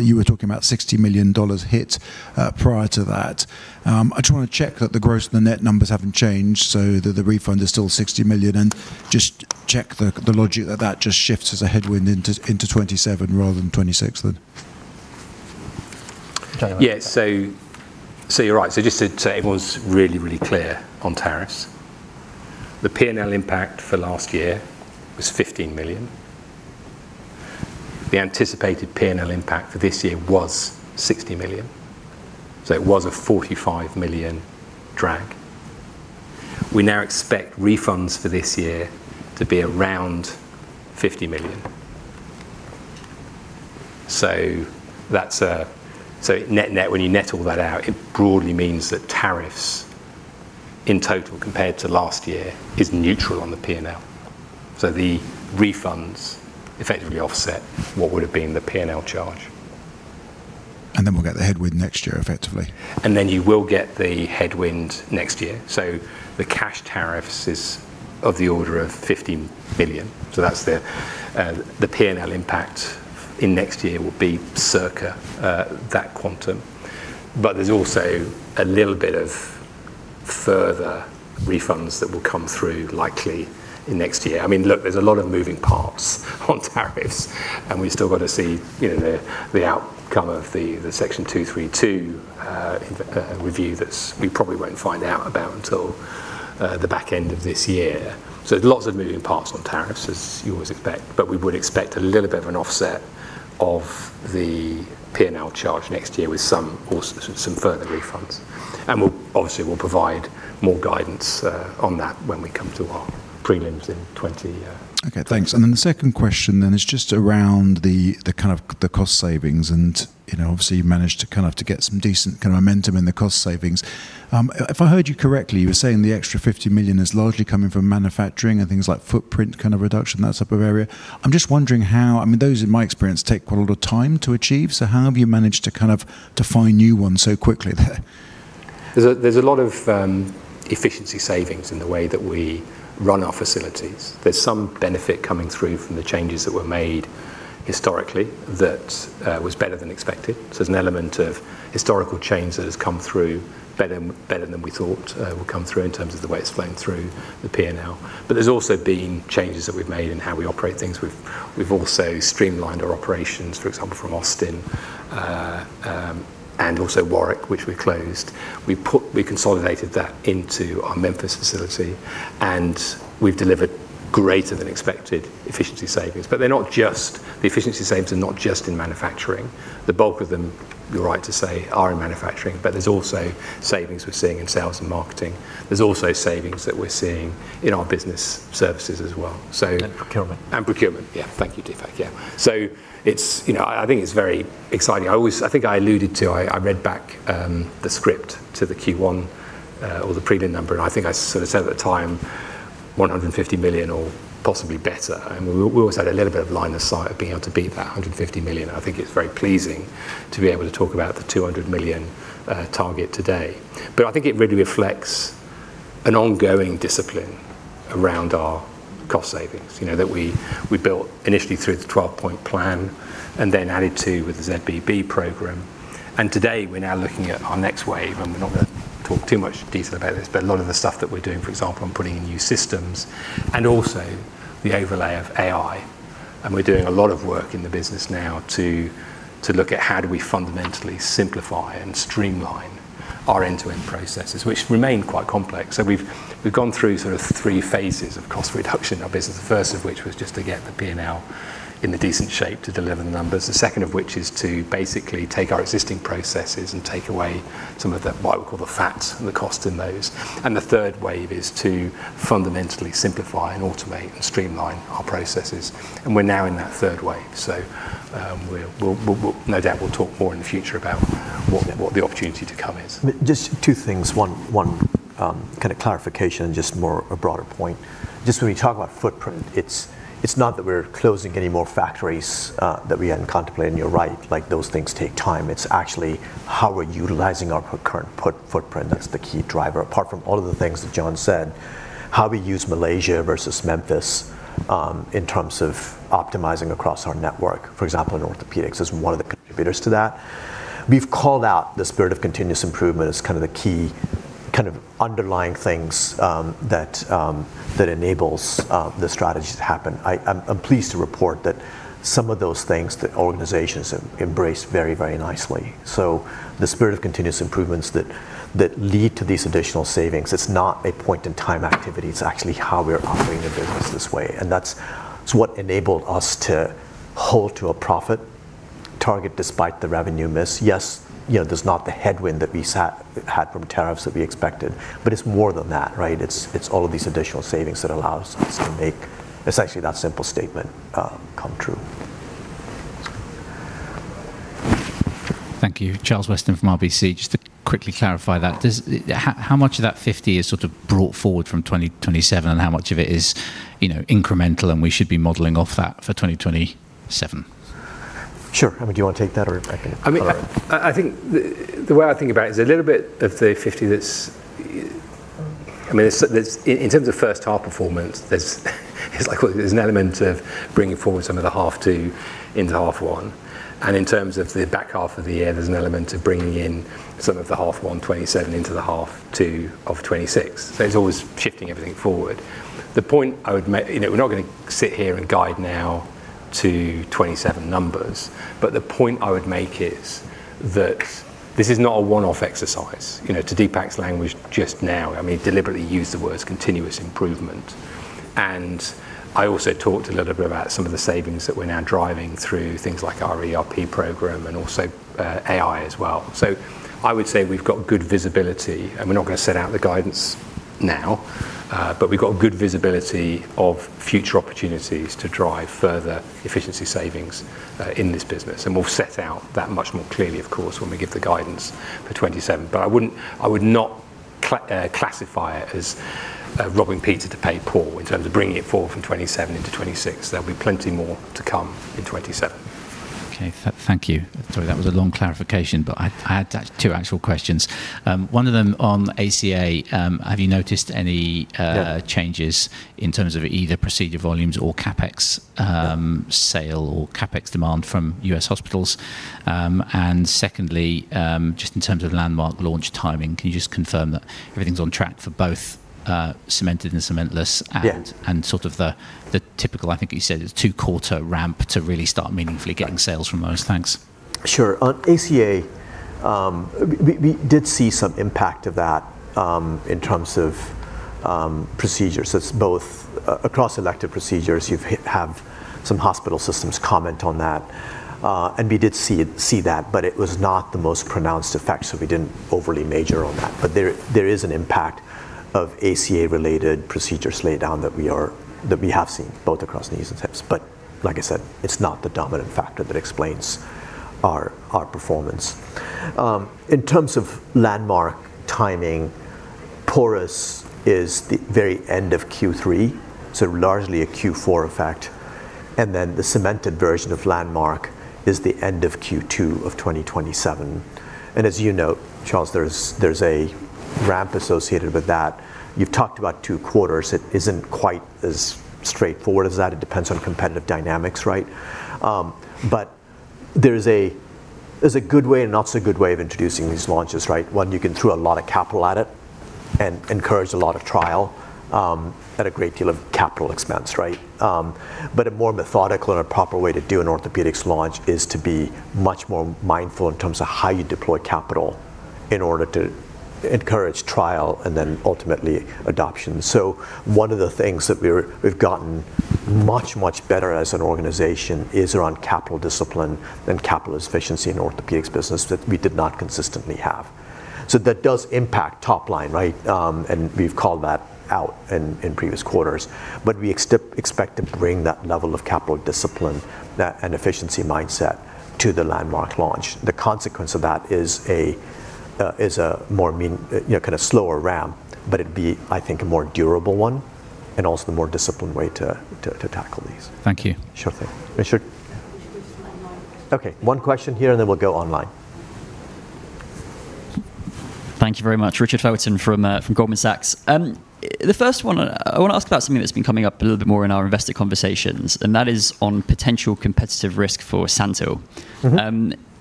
you were talking about $60 million hit prior to that. I just want to check that the gross and the net numbers haven't changed so that the refund is still $60 million, just check the logic that that just shifts as a headwind into 2027 rather than 2026. Yes. You're right. Just to say it was really clear on tariffs. The P&L impact for last year was $15 million. The anticipated P&L impact for this year was $60 million, it was a $45 million drag. We now expect refunds for this year to be around $50 million. Net-net, when you net all that out, it broadly means that tariffs in total compared to last year is neutral on the P&L. The refunds effectively offset what would've been the P&L charge. We'll get the headwind next year, effectively. You will get the headwind next year. The cash tariffs is of the order of $15 million. That's the P&L impact in next year will be circa that quantum. There's also a little bit of further refunds that will come through likely in next year. There's a lot of moving parts on tariffs. We've still got to see the outcome of the Section 232 review that we probably won't find out about until the back end of this year. There's lots of moving parts on tariffs, as you always expect. We would expect a little bit of an offset of the P&L charge next year with some further refunds. Obviously, we'll provide more guidance on that when we come to our prelims in 2020. Okay, thanks. The second question then is just around the cost savings. Obviously you've managed to get some decent momentum in the cost savings. If I heard you correctly, you were saying the extra $50 million is largely coming from manufacturing and things like footprint reduction, that type of area. I'm just wondering how, those in my experience take quite a lot of time to achieve, so how have you managed to find new ones so quickly there? There's a lot of efficiency savings in the way that we run our facilities. There's some benefit coming through from the changes that were made historically that was better than expected. There's an element of historical change that has come through better than we thought would come through in terms of the way it's flowing through the P&L. There's also been changes that we've made in how we operate things. We've also streamlined our operations, for example, from Austin, and also Warwick, which we closed. We consolidated that into our Memphis facility, and we've delivered greater than expected efficiency savings. The efficiency savings are not just in manufacturing. The bulk of them, you're right to say, are in manufacturing, but there's also savings we're seeing in sales and marketing. There's also savings that we're seeing in our business services as well. Procurement. Procurement. Thank you, Deepak. I think it's very exciting. I think I alluded to, I read back the script to the Q1 or the prelim number, and I think I said at the time, $150 million or possibly better, and we always had a little bit of line of sight of being able to beat that $150 million. I think it's very pleasing to be able to talk about the $200 million target today. I think it really reflects an ongoing discipline around our cost savings, that we built initially through the 12-point plan and then added to with the ZBB program. Today, we're now looking at our next wave, and we're not going to talk too much detail about this, but a lot of the stuff that we're doing, for example, on putting in new systems and also the overlay of AI, and we're doing a lot of work in the business now to look at how do we fundamentally simplify and streamline our end-to-end processes, which remain quite complex. We've gone through sort of three phases of cost reduction in our business, the first of which was just to get the P&L in a decent shape to deliver the numbers, the second of which is to basically take our existing processes and take away some of the, what we call the fat and the cost in those. The third wave is to fundamentally simplify and automate and streamline our processes. We're now in that third wave. No doubt we'll talk more in the future about what the opportunity to come is. Just two things. One clarification and just more a broader point. Just when you talk about footprint, it's not that we're closing any more factories that we hadn't contemplated, and you're right, those things take time. It's actually how we're utilizing our current footprint that's the key driver, apart from all of the things that John said, how we use Malaysia versus Memphis, in terms of optimizing across our network, for example, in Orthopaedics, is one of the contributors to that. We've called out the spirit of continuous improvement as kind of the key underlying things that enables the strategy to happen. I'm pleased to report that some of those things the organizations have embraced very nicely. The spirit of continuous improvements that lead to these additional savings, it's not a point in time activity, it's actually how we are operating the business this way, and that's what enabled us to hold to a profit target despite the revenue miss. Yes, there's not the headwind that we had from tariffs that we expected, it's more than that. It's all of these additional savings that allow us to make essentially that simple statement come true. Thank you. Charles Weston from RBC. Just to quickly clarify that, how much of that $50 million is brought forward from 2027, and how much of it is incremental and we should be modeling off that for 2027? Sure. Do you want to take that or I can? The way I think about it is a little bit of the $50 million that's-- In terms of first half performance, there's an element of bringing forward some of the half two into half one. In terms of the back half of the year, there's an element of bringing in some of the half one 2027 into the half two of 2026. It's always shifting everything forward. We're not going to sit here and guide now to 2027 numbers, the point I would make is that this is not a one-off exercise. To Deepak's language just now, he deliberately used the words continuous improvement. I also talked a little bit about some of the savings that we're now driving through things like our ERP program and also AI as well. I would say we've got good visibility, and we're not going to set out the guidance now, but we've got good visibility of future opportunities to drive further efficiency savings in this business, and we'll set out that much more clearly, of course, when we give the guidance for 2027. I would not classify it as robbing Peter to pay Paul in terms of bringing it forward from 2027 into 2026. There'll be plenty more to come in 2027. Okay. Thank you. Sorry, that was a long clarification, but I had two actual questions. One of them on ACA. Have you noticed changes in terms of either procedure volumes or CapEx sale or CapEx demand from U.S. hospitals? Secondly, just in terms of Landmark launch timing, can you just confirm that everything's on track for both cemented and cementless and the typical, I think you said it's two quarter ramp to really start meaningfully getting sales from those. Thanks. Sure. On ACA, we did see some impact of that in terms of procedures. It's both across elective procedures. You've have some hospital systems comment on that. We did see that, but it was not the most pronounced effect, so we didn't overly major on that. There is an impact of ACA-related procedures laydown that we have seen both across knees and hips. Like I said, it's not the dominant factor that explains our performance. In terms of Landmark timing, Porous is the very end of Q3, so largely a Q4 effect. Then the cemented version of Landmark is the end of Q2 of 2027. As you know, Charles, there's a ramp associated with that. You've talked about two quarters. It isn't quite as straightforward as that. It depends on competitive dynamics. There's a good way and not so good way of introducing these launches. One, you can throw a lot of capital at it and encourage a lot of trial, at a great deal of capital expense. A more methodical and a proper way to do an orthopedics launch is to be much more mindful in terms of how you deploy capital in order to encourage trial and then ultimately adoption. One of the things that we've gotten much, much better as an organization is around capital discipline and capital efficiency in orthopedics business that we did not consistently have. That does impact top line. We've called that out in previous quarters. We expect to bring that level of capital discipline and efficiency mindset to the Landmark launch. The consequence of that is a more slower ramp, it'd be, I think, a more durable one and also the more disciplined way to tackle these. Thank you. Sure thing. Okay. One question here, we'll go online. Thank you very much. Richard Felton from Goldman Sachs. The first one, I want to ask about something that's been coming up a little bit more in our investor conversations, that is on potential competitive risk for SANTYL.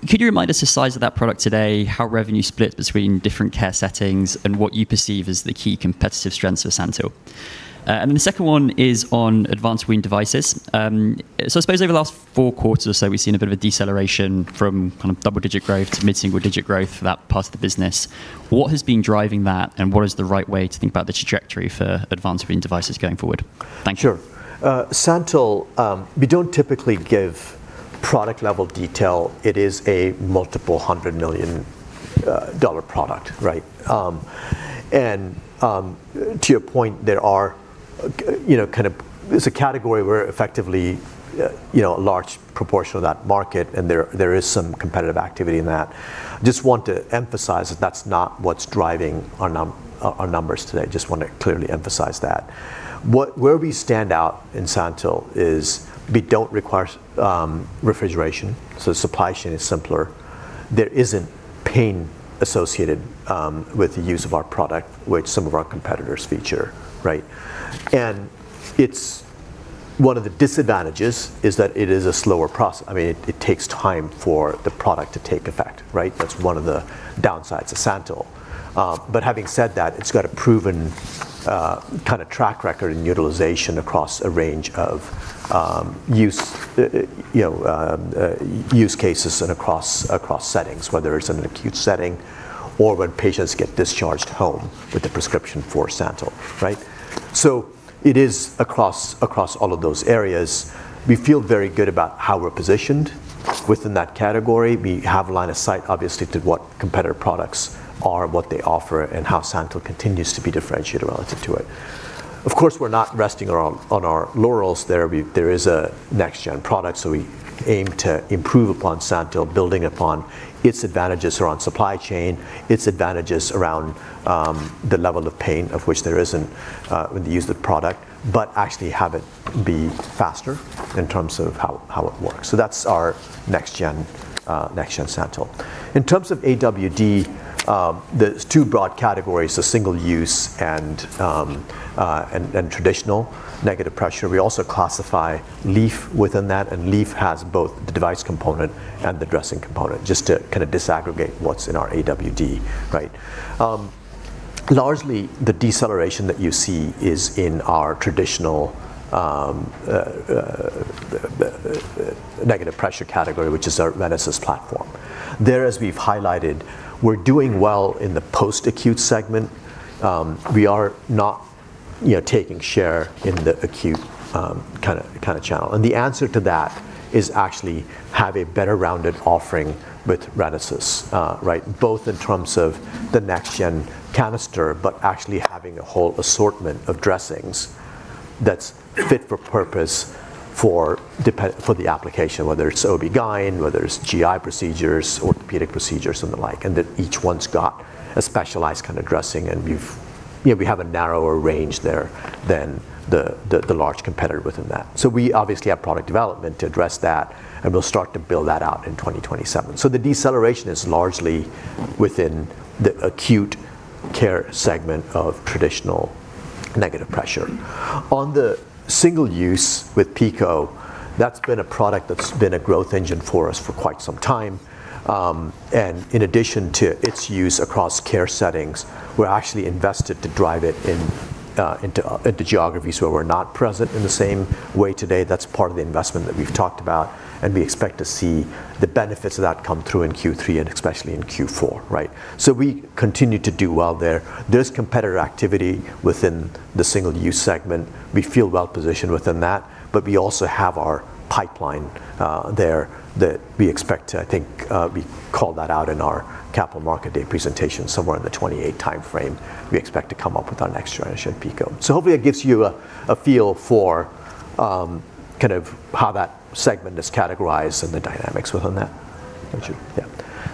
Could you remind us the size of that product today, how revenue splits between different care settings, what you perceive as the key competitive strengths for SANTYL? The second one is on advanced wound devices. I suppose over the last four quarters or so, we've seen a bit of a deceleration from kind of double-digit growth to mid-single digit growth for that part of the business. What has been driving that, what is the right way to think about the trajectory for advanced wound devices going forward? Thank you. Sure. SANTYL, we don't typically give product-level detail. It is a multiple hundred million-dollar product. To your point, it's a category where effectively, a large proportion of that market there is some competitive activity in that. Just want to emphasize that that's not what's driving our numbers today. Just want to clearly emphasize that. Where we stand out in SANTYL is we don't require refrigeration, supply chain is simpler. There isn't pain associated with the use of our product, which some of our competitors feature. One of the disadvantages is that it is a slower process. It takes time for the product to take effect. That's one of the downsides of SANTYL. Having said that, it's got a proven kind of track record in utilization across a range of use cases and across settings, whether it's an acute setting or when patients get discharged home with a prescription for SANTYL. It is across all of those areas. We feel very good about how we're positioned within that category. We have line of sight, obviously, to what competitor products are, what they offer, and how SANTYL continues to be differentiated relative to it. Of course, we're not resting on our laurels there. There is a next-gen product, we aim to improve upon SANTYL, building upon its advantages around supply chain, its advantages around the level of pain, of which there isn't, with the use of the product, but actually have it be faster in terms of how it works. That's our next-gen SANTYL. In terms of AWD, there's two broad categories, the single use and traditional negative pressure. We also classify LEAF within that, and LEAF has both the device component and the dressing component, just to kind of disaggregate what's in our AWD. Largely, the deceleration that you see is in our traditional negative pressure category, which is our RENASYS platform. There, as we've highlighted, we're doing well in the post-acute segment. We are not taking share in the acute kind of channel. The answer to that is actually have a better-rounded offering with RENASYS. Both in terms of the next-gen canister, but actually having a whole assortment of dressings that's fit for purpose for the application, whether it's OB-GYN, whether it's GI procedures, orthopedic procedures, and the like. That each one's got a specialized kind of dressing and We have a narrower range there than the large competitor within that. We obviously have product development to address that, and we'll start to build that out in 2027. The deceleration is largely within the acute care segment of traditional negative pressure. On the single use with PICO, that's been a product that's been a growth engine for us for quite some time. In addition to its use across care settings, we're actually invested to drive it into geographies where we're not present in the same way today. That's part of the investment that we've talked about, and we expect to see the benefits of that come through in Q3 and especially in Q4, right? We continue to do well there. There's competitor activity within the single-use segment. We feel well-positioned within that, we also have our pipeline there that we expect to, I think, we called that out in our capital market day presentation, somewhere in the 2028 timeframe, we expect to come up with our next generation PICO. Hopefully it gives you a feel for kind of how that segment is categorized and the dynamics within that. Got you. Yeah.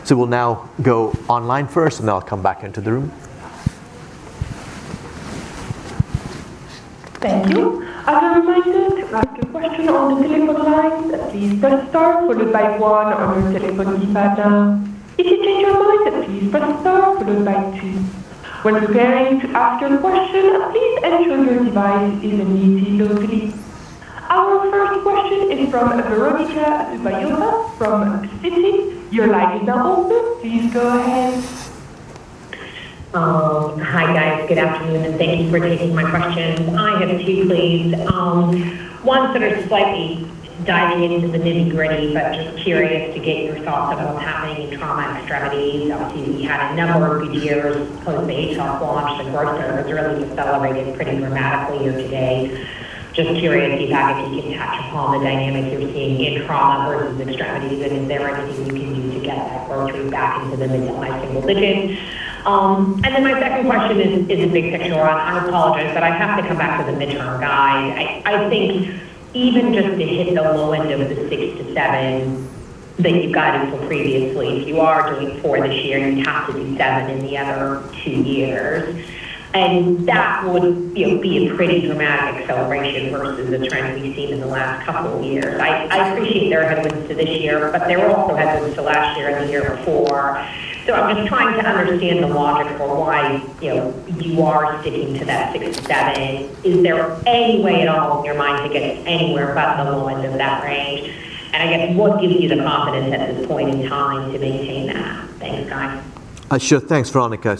We'll now go online first, then I'll come back into the room. Thank you. As a reminder, to ask a question on the telephone line, please press star followed by one on your telephone keypad now. If you change your mind, please press star followed by two. When preparing to ask your question, please ensure your device is muted totally. Our first question is from Veronika Dubajova from Citi. Your line is now open. Please go ahead. Hi, guys. Good afternoon, and thank you for taking my questions. I have two, please. One sort of slightly diving into the nitty-gritty, just curious to get your thoughts on what's happening in trauma extremities. Obviously, we had a number of good years post the ATLASPLAN launch. The growth there has really accelerated pretty dramatically year to date. Just curious if you can touch upon the dynamics you're seeing in trauma versus extremities, and if there are things you can do to get that growth rate back into the mid-to-high single digits. My second question is a big picture one. I apologize, I have to come back to the midterm guide. I think even just to hit the low end of the 6%-7% that you've guided for previously, if you are doing four this year, you'd have to do 7% in the other two years. That would be a pretty dramatic acceleration versus the trends we've seen in the last couple of years. I appreciate there are headwinds to this year, but there were also headwinds to last year and the year before. I'm just trying to understand the logic for why you are sticking to that 6%-7%. Is there any way at all in your mind to get anywhere above the low end of that range? I guess what gives you the confidence at this point in time to maintain that? Thanks, guys. Sure. Thanks, Veronika.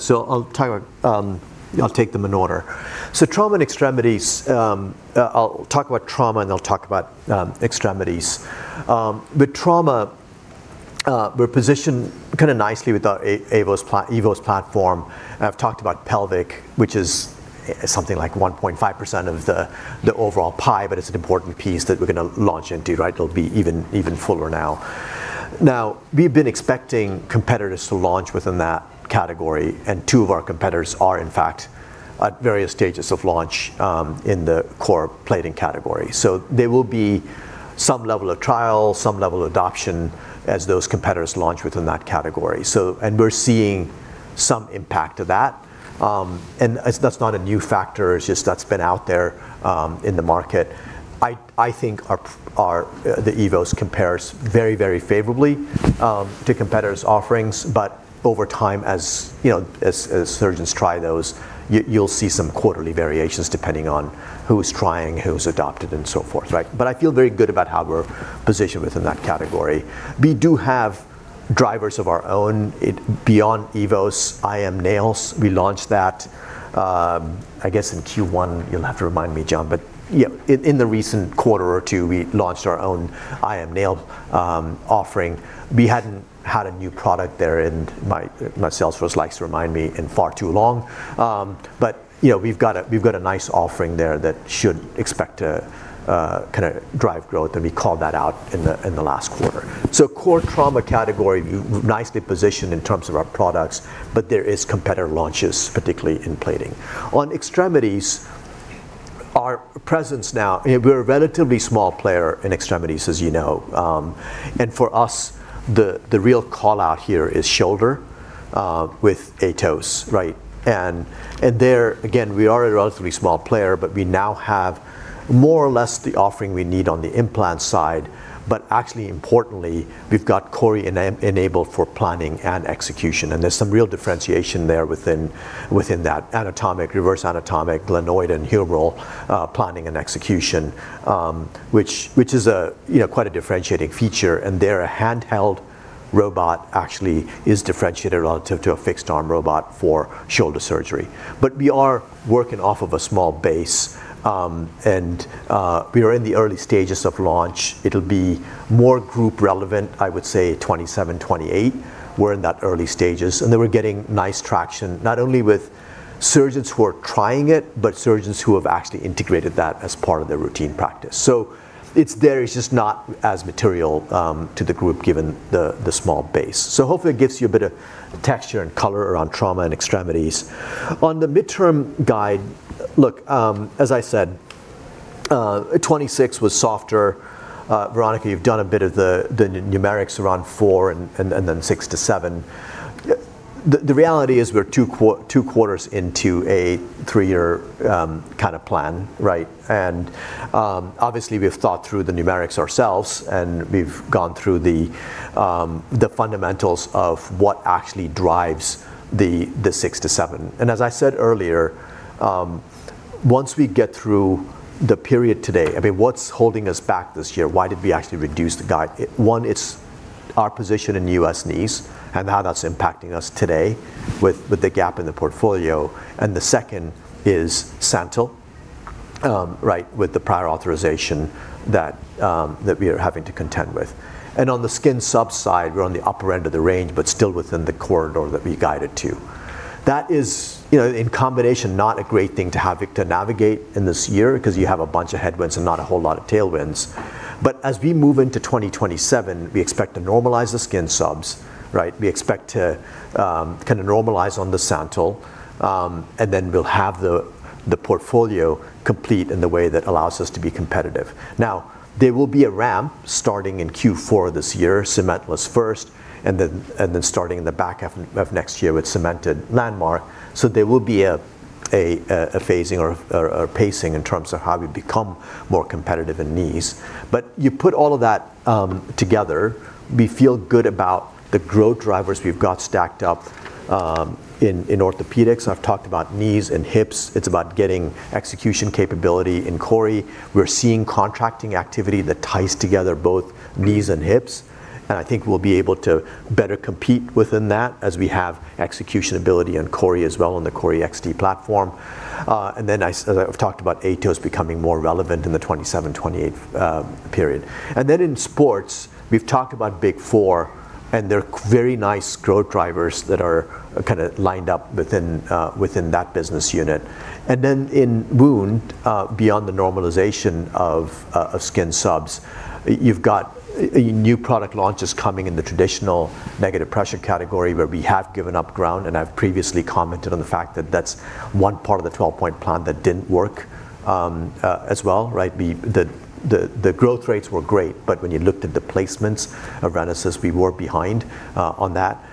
I'll take them in order. Trauma and extremities, I'll talk about trauma and then I'll talk about extremities. With trauma, we're positioned kind of nicely with our EVOS platform. I've talked about pelvic, which is something like 1.5% of the overall pie, but it's an important piece that we're going to launch into. It'll be even fuller now. We've been expecting competitors to launch within that category, and two of our competitors are in fact at various stages of launch in the core plating category. There will be some level of trial, some level of adoption as those competitors launch within that category. We're seeing some impact of that. That's not a new factor. It's just that's been out there in the market. I think the EVOS compares very favorably to competitors' offerings. Over time, as surgeons try those, you'll see some quarterly variations depending on who's trying, who's adopted, and so forth. I feel very good about how we're positioned within that category. We do have drivers of our own beyond EVOS. IM Nails, we launched that, I guess, in Q1. You'll have to remind me, John. But yeah, in the recent quarter or two, we launched our own IM Nail offering. We hadn't had a new product there in, my sales force likes to remind me, in far too long. But we've got a nice offering there that should expect to drive growth, and we called that out in the last quarter. Core trauma category, nicely positioned in terms of our products, but there is competitor launches, particularly in plating. On extremities, our presence now, we're a relatively small player in extremities, as you know. For us, the real call-out here is shoulder with AETOS. There, again, we are a relatively small player, but we now have more or less the offering we need on the implant side. Actually, importantly, we've got CORI enabled for planning and execution, and there's some real differentiation there within that anatomic, reverse anatomic, glenoid, and humeral planning and execution which is quite a differentiating feature. Their handheld robot actually is differentiated relative to a fixed-arm robot for shoulder surgery. But we are working off of a small base, and we are in the early stages of launch. It'll be more group relevant, I would say 2027, 2028. We're in that early stages, and then we're getting nice traction, not only with surgeons who are trying it, but surgeons who have actually integrated that as part of their routine practice. It's there, it's just not as material to the group given the small base. Hopefully it gives you a bit of texture and color around trauma and extremities. On the midterm guide, look, as I said 2026 was softer. Veronika, you've done a bit of the numerics around four and then 6%-7%. The reality is we're two quarters into a three-year plan, right? Obviously, we've thought through the numerics ourselves, and we've gone through the fundamentals of what actually drives the 6%-7%. As I said earlier, once we get through the period today, what's holding us back this year? Why did we actually reduce the guide? One, it's our position in U.S. knees and how that's impacting us today with the gap in the portfolio. The second is SANTYL, right, with the prior authorization that we are having to contend with. On the skin subs side, we're on the upper end of the range, but still within the corridor that we guided to. That is, in combination, not a great thing to have to navigate in this year because you have a bunch of headwinds and not a whole lot of tailwinds. As we move into 2027, we expect to normalize the skin subs. We expect to normalize on the SANTYL, and then we'll have the portfolio complete in the way that allows us to be competitive. Now, there will be a ramp starting in Q4 this year. Cement was first, and then starting in the back half of next year with cemented LANDMARK Knee System. There will be a phasing or pacing in terms of how we become more competitive in knees. You put all of that together. We feel good about the growth drivers we've got stacked up in Orthopaedics. I've talked about knees and hips. It's about getting execution capability in CORI. We're seeing contracting activity that ties together both knees and hips. I think we'll be able to better compete within that as we have execution ability in CORI as well on the CORI XT platform. Then as I've talked about AETOS becoming more relevant in the 2027, 2028 period. Then in sports, we've talked about Big Four, and they're very nice growth drivers that are kind of lined up within that business unit. In Wound, beyond the normalization of skin subs, you've got new product launches coming in the traditional negative pressure category where we have given up ground, and I've previously commented on the fact that that's one part of the 12-point plan that didn't work as well, right? The growth rates were great, but when you looked at the placements of RENASYS, we were behind on that.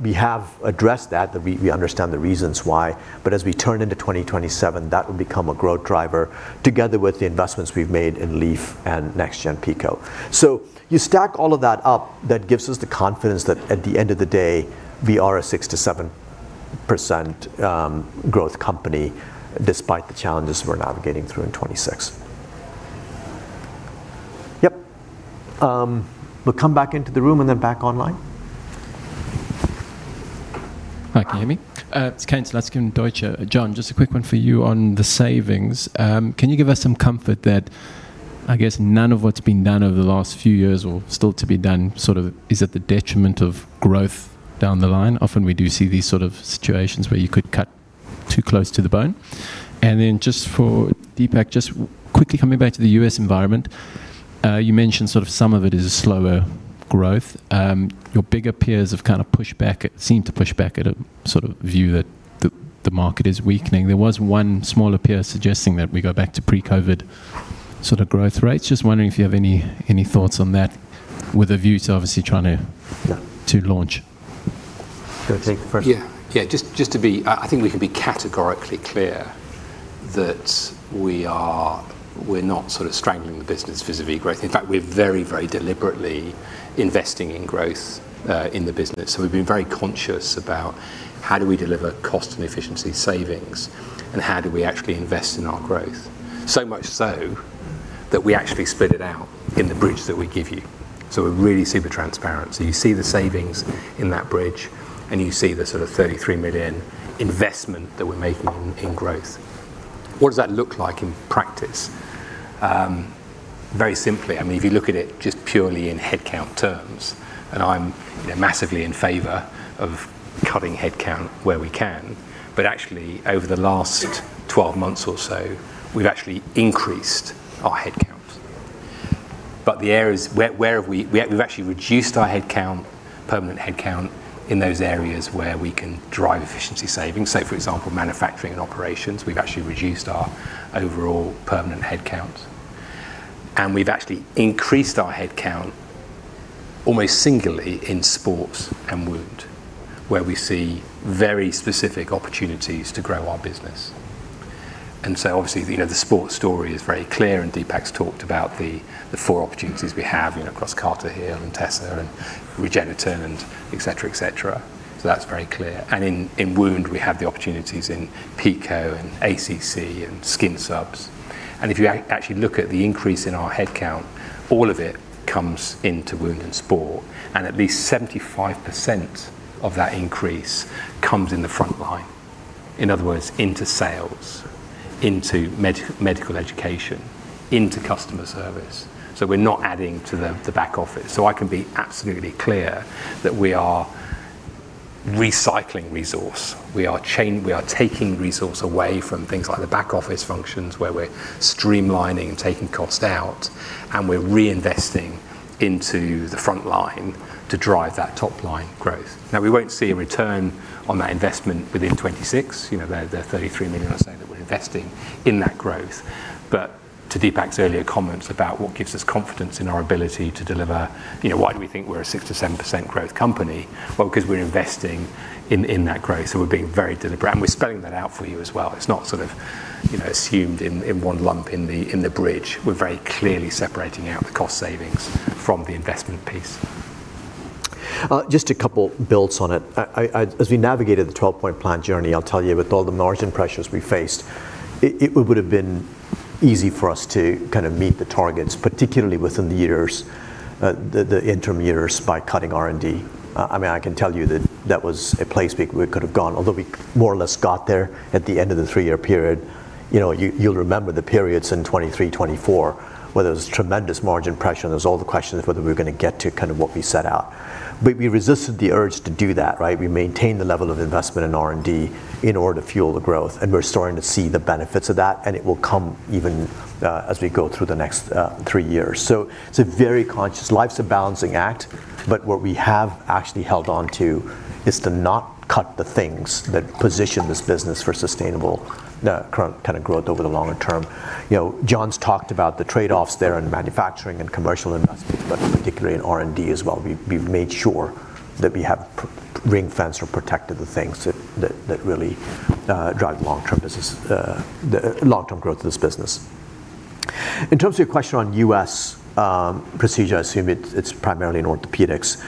We have addressed that. We understand the reasons why. As we turn into 2027, that will become a growth driver together with the investments we've made in LEAF and next gen PICO. You stack all of that up. That gives us the confidence that at the end of the day, we are a 6%-7% growth company despite the challenges we're navigating through in 2026. We'll come back into the room and then back online. Hi, can you hear me? It's Kane Slutzkin, Deutsche. John, just a quick one for you on the savings. Can you give us some comfort that, I guess, none of what's been done over the last few years or still to be done sort of is at the detriment of growth down the line? Often we do see these sort of situations where you could cut too close to the bone. Just for Deepak, just quickly coming back to the U.S. environment. You mentioned sort of some of it is a slower growth. Your bigger peers have kind of seemed to push back at a sort of view that the market is weakening. There was one smaller peer suggesting that we go back to pre-COVID sort of growth rates. Just wondering if you have any thoughts on that with a view to obviously trying to launch. Do you want to take it first? Yeah. I think we can be categorically clear that we're not sort of strangling the business vis-a-vis growth. In fact, we're very deliberately investing in growth in the business. We've been very conscious about how do we deliver cost and efficiency savings, and how do we actually invest in our growth. Much so that we actually split it out in the bridge that we give you. We're really super transparent. You see the savings in that bridge, and you see the sort of $33 million investment that we're making in growth. What does that look like in practice? Very simply, if you look at it just purely in headcount terms, and I'm massively in favor of cutting headcount where we can, but actually, over the last 12 months or so, we've actually increased our headcounts. The areas where we've actually reduced our headcount, permanent headcount, in those areas where we can drive efficiency savings, say, for example, manufacturing and operations. We've actually reduced our overall permanent headcount. We've actually increased our headcount almost singularly in Sports and Wound, where we see very specific opportunities to grow our business. Obviously, the Sports story is very clear, and Deepak's talked about the four opportunities we have across CARTIHEAL and TESSA and REGENETEN and et cetera. That's very clear. In Wound, we have the opportunities in PICO and ACC and skin subs. If you actually look at the increase in our headcount, all of it comes into Wound and Sport, and at least 75% of that increase comes in the front line. In other words, into sales, into medical education, into customer service. We're not adding to the back office. I can be absolutely clear that we are recycling resource. We are taking resource away from things like the back office functions, where we're streamlining and taking cost out, and we're reinvesting into the frontline to drive that top-line growth. Now, we won't see a return on that investment within 2026. There are $33 million that we're investing in that growth. To Deepak's earlier comments about what gives us confidence in our ability to deliver, why do we think we're a 6%-7% growth company? Because we're investing in that growth. We're being very deliberate, and we're spelling that out for you as well. It's not sort of assumed in one lump in the bridge. We're very clearly separating out the cost savings from the investment piece. Just a couple builds on it. As we navigated the 12-point plan journey, I'll tell you, with all the margin pressures we faced, it would've been easy for us to kind of meet the targets, particularly within the years, the interim years by cutting R&D. I can tell you that was a place we could have gone, although we more or less got there at the end of the three-year period. You'll remember the periods in 2023, 2024, where there was tremendous margin pressure, and there were all the questions whether we were going to get to kind of what we set out. We resisted the urge to do that, right? We maintained the level of investment in R&D in order to fuel the growth, and we're starting to see the benefits of that, and it will come even as we go through the next three years. Life's a balancing act, what we have actually held on to is to not cut the things that position this business for sustainable kind of growth over the longer term. John's talked about the trade-offs there in manufacturing and commercial investments, particularly in R&D as well. We've made sure that we have ring-fenced or protected the things that really drive long-term growth of this business. In terms of your question on U.S. procedure, I assume it's primarily in Orthopaedics.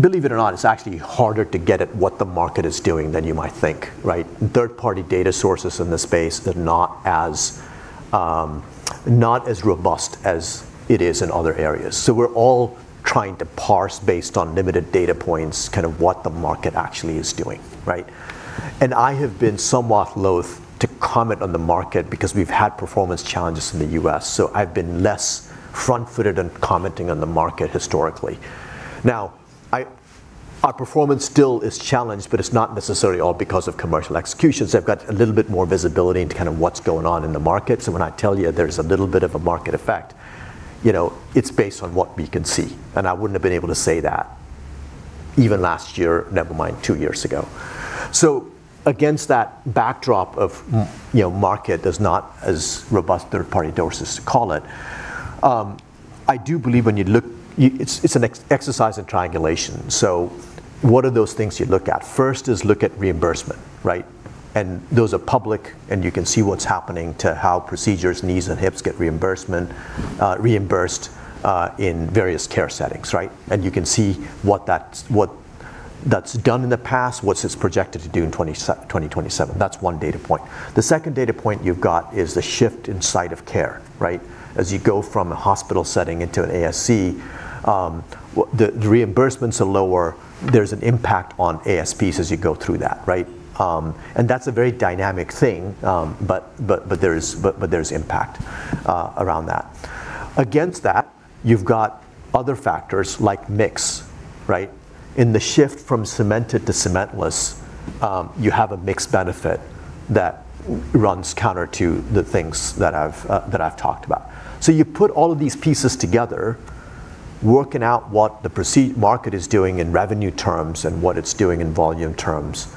Believe it or not, it's actually harder to get at what the market is doing than you might think, right? Third-party data sources in the space are not as robust as it is in other areas. We're all trying to parse based on limited data points kind of what the market actually is doing, right? I have been somewhat loath to comment on the market because we've had performance challenges in the U.S., I've been less front-footed on commenting on the market historically. Now, our performance still is challenged, but it's not necessarily all because of commercial execution. I've got a little bit more visibility into kind of what's going on in the market. When I tell you there's a little bit of a market effect, it's based on what we can see, and I wouldn't have been able to say that even last year, never mind two years ago. Against that backdrop of market as not as robust third-party sources call it, I do believe when you look, it's an exercise in triangulation. What are those things you look at? First is look at reimbursement. Those are public, and you can see what's happening to how procedures, knees, and hips get reimbursed in various care settings. You can see what that's done in the past, what it's projected to do in 2027. That's one data point. The second data point you've got is the shift in site of care. As you go from a hospital setting into an ASC, the reimbursements are lower. There's an impact on ASPs as you go through that. That's a very dynamic thing, but there's impact around that. Against that, you've got other factors like mix. In the shift from cemented to cementless, you have a mixed benefit that runs counter to the things that I've talked about. You put all of these pieces together, working out what the market is doing in revenue terms and what it's doing in volume terms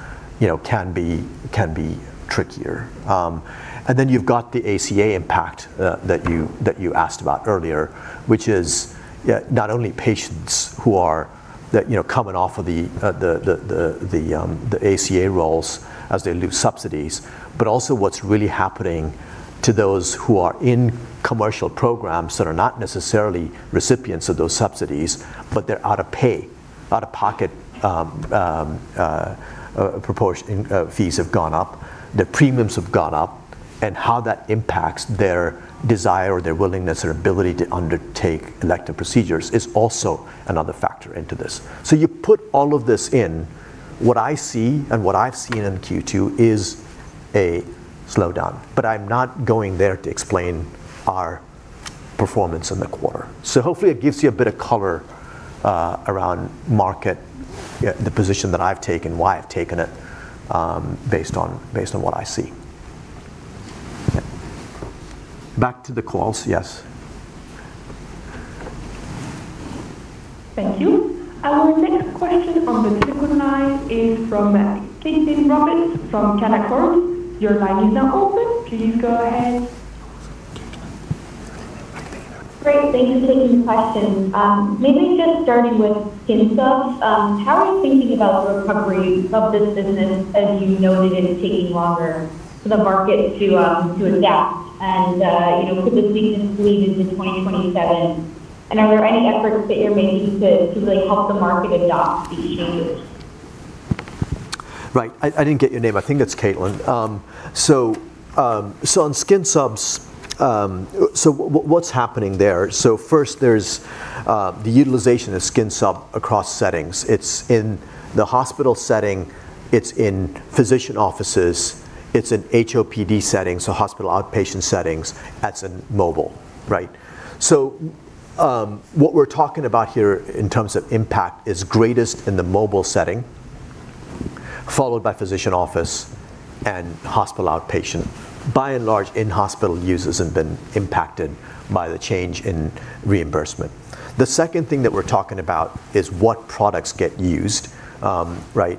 can be trickier. You've got the ACA impact that you asked about earlier, which is not only patients who are coming off of the ACA rolls as they lose subsidies, but also what's really happening to those who are in commercial programs that are not necessarily recipients of those subsidies, but their out-of-pocket fees have gone up, the premiums have gone up, and how that impacts their desire or their willingness or ability to undertake elective procedures is also another factor into this. You put all of this in. What I see and what I've seen in Q2 is a slowdown, but I'm not going there to explain our performance in the quarter. Hopefully it gives you a bit of color around market, the position that I've taken, why I've taken it based on what I see. Back to the calls. Yes. Thank you. Our next question on the telephone line is from Caitlin Roberts from Canaccord. Your line is now open. Please go ahead. Great. Thank you for taking the question. Maybe just starting with skin subs. How are you thinking about the recovery of this business as you noted it taking longer for the market to adapt and could this weakness bleed into 2027? Are there any efforts that you're making to really help the market adopt these changes? Right. I didn't get your name. I think that's Caitlin. On skin subs, what's happening there? First, there's the utilization of skin sub across settings. It's in the hospital setting, it's in physician offices, it's in HOPD settings, so hospital outpatient settings. That's in mobile, right? What we're talking about here in terms of impact is greatest in the mobile setting, followed by physician office and hospital outpatient. By and large, in-hospital users have been impacted by the change in reimbursement. The second thing that we're talking about is what products get used. Right?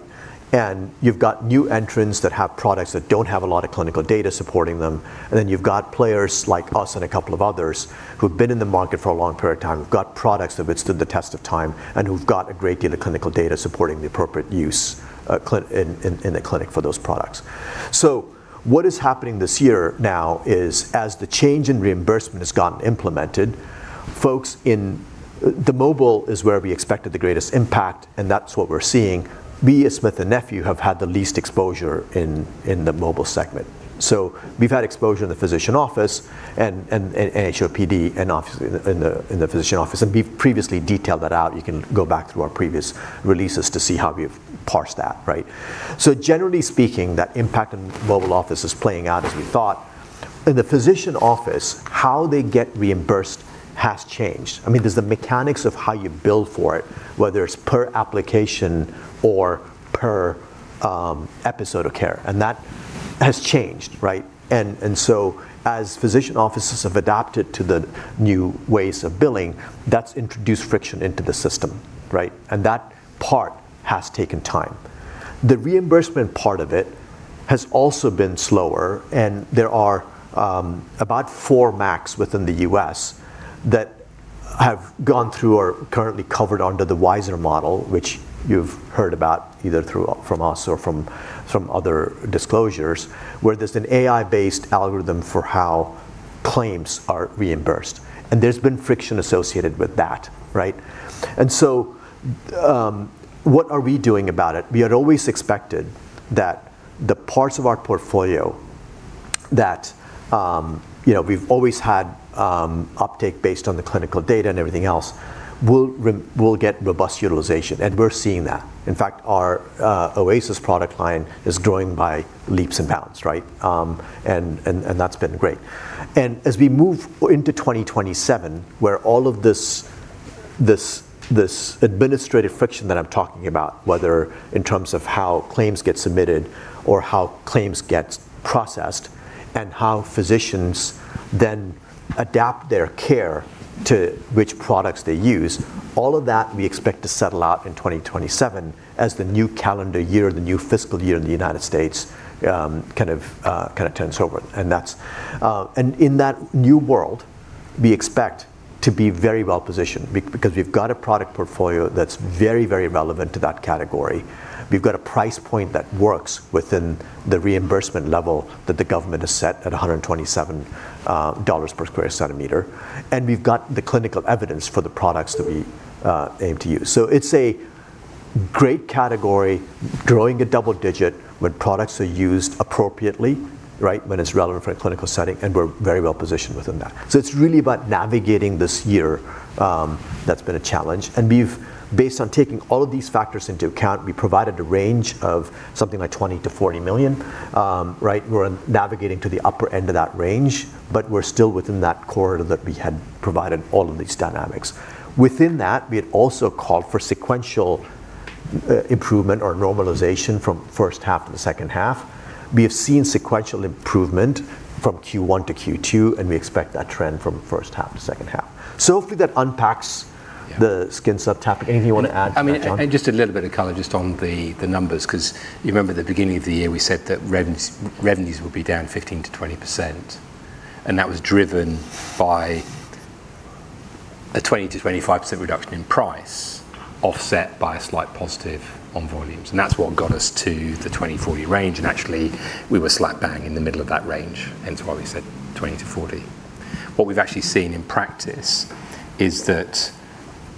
You've got new entrants that have products that don't have a lot of clinical data supporting them. You've got players like us and a couple of others who've been in the market for a long period of time, who've got products that have stood the test of time, and who've got a great deal of clinical data supporting the appropriate use in the clinic for those products. What is happening this year now is, as the change in reimbursement has gotten implemented, the mobile is where we expected the greatest impact, and that's what we're seeing. We, as Smith & Nephew, have had the least exposure in the mobile segment. We've had exposure in the physician office and HOPD in the physician office, and we've previously detailed that out. You can go back through our previous releases to see how we've parsed that. Right? Generally speaking, that impact on mobile office is playing out as we thought. In the physician office, how they get reimbursed has changed. There's the mechanics of how you bill for it, whether it's per application or per episode of care, and that has changed. Right? As physician offices have adapted to the new ways of billing, that's introduced friction into the system. Right? That part has taken time. The reimbursement part of it has also been slower, and there are about four max within the U.S. that have gone through or are currently covered under the WISeR Model, which you've heard about either from us or from other disclosures, where there's an AI-based algorithm for how claims are reimbursed. There's been friction associated with that. Right? What are we doing about it? We had always expected that the parts of our portfolio that we've always had uptake based on the clinical data and everything else, will get robust utilization, and we're seeing that. In fact, our OASIS product line is growing by leaps and bounds. Right? That's been great. As we move into 2027, where all of this administrative friction that I'm talking about, whether in terms of how claims get submitted or how claims get processed and how physicians then adapt their care to which products they use, all of that we expect to settle out in 2027 as the new calendar year or the new fiscal year in the United States turns over. In that new world, we expect to be very well-positioned because we've got a product portfolio that's very relevant to that category. We've got a price point that works within the reimbursement level that the government has set at $127 per square centimeter. We've got the clinical evidence for the products that we aim to use. It's a great category, growing at double digit when products are used appropriately. Right? When it's relevant for a clinical setting, we're very well-positioned within that. It's really about navigating this year that's been a challenge, based on taking all of these factors into account, we provided a range of something like $20 million-$40 million. Right? We're navigating to the upper end of that range, we're still within that corridor that we had provided all of these dynamics. Within that, we had also called for sequential improvement or normalization from first half to the second half. We have seen sequential improvement from Q1 to Q2, we expect that trend from first half to second half. Hopefully that unpacks the skin subtopic. Anything you want to add to that, John? Just a little bit of color just on the numbers, because you remember at the beginning of the year, we said that revenues would be down 15%-20%. That was driven by a 20%-25% reduction in price, offset by a slight positive on volumes. That's what got us to the $20 million-$40 million range, and actually we were slap bang in the middle of that range, hence why we said $20 million-$40 million. What we've actually seen in practice is that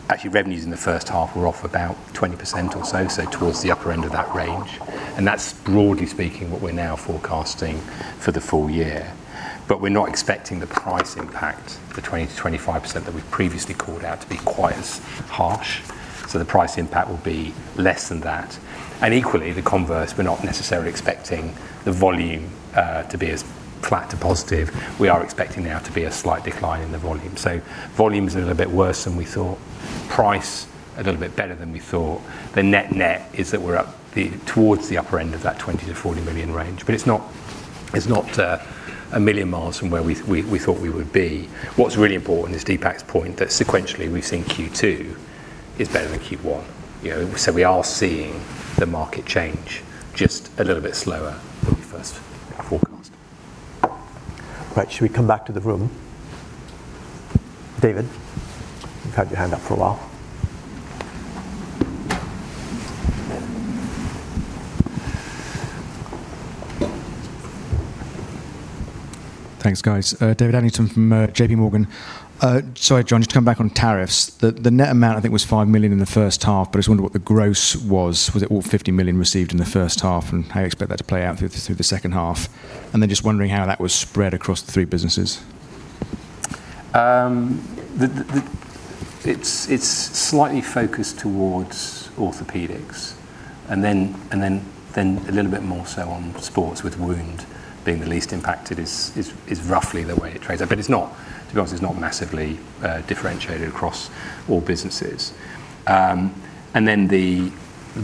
actually revenues in the first half were off about 20% or so towards the upper end of that range. That's broadly speaking, what we're now forecasting for the full year. We're not expecting the price impact for 20%-25% that we've previously called out to be quite as harsh. The price impact will be less than that. Equally, the converse, we're not necessarily expecting the volume to be as flat to positive. We are expecting now to be a slight decline in the volume. Volume is a little bit worse than we thought. Price, a little bit better than we thought. The net is that we're up towards the upper end of that $20 million-$40 million range, but it's not a million miles from where we thought we would be. What's really important is Deepak's point that sequentially, we've seen Q2 is better than Q1. We are seeing the market change just a little bit slower than we first forecast. Right. Shall we come back to the room? David, you've had your hand up for a while. Thanks, guys. David Adlington from JPMorgan. Sorry, John, just to come back on tariffs. The net amount I think was $5 million in the first half. I just wonder what the gross was. Was it all $50 million received in the first half? How do you expect that to play out through the second half? Just wondering how that was spread across the three businesses. It's slightly focused towards Orthopaedics, then a little bit more so on sports, with wound being the least impacted is roughly the way it trades out. To be honest, it's not massively differentiated across all businesses.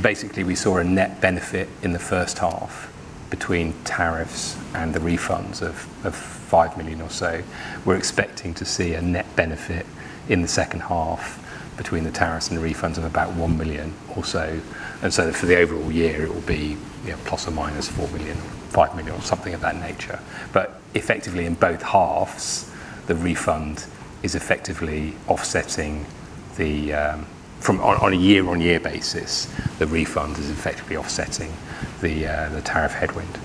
Basically we saw a net benefit in the first half between tariffs and the refunds of $5 million or so. We're expecting to see a net benefit in the second half between the tariffs and the refunds of about $1 million or so. For the overall year, it will be plus or minus $4 million, $5 million, or something of that nature. Effectively in both halves, on a year-on-year basis, the refund is effectively offsetting the tariff headwind.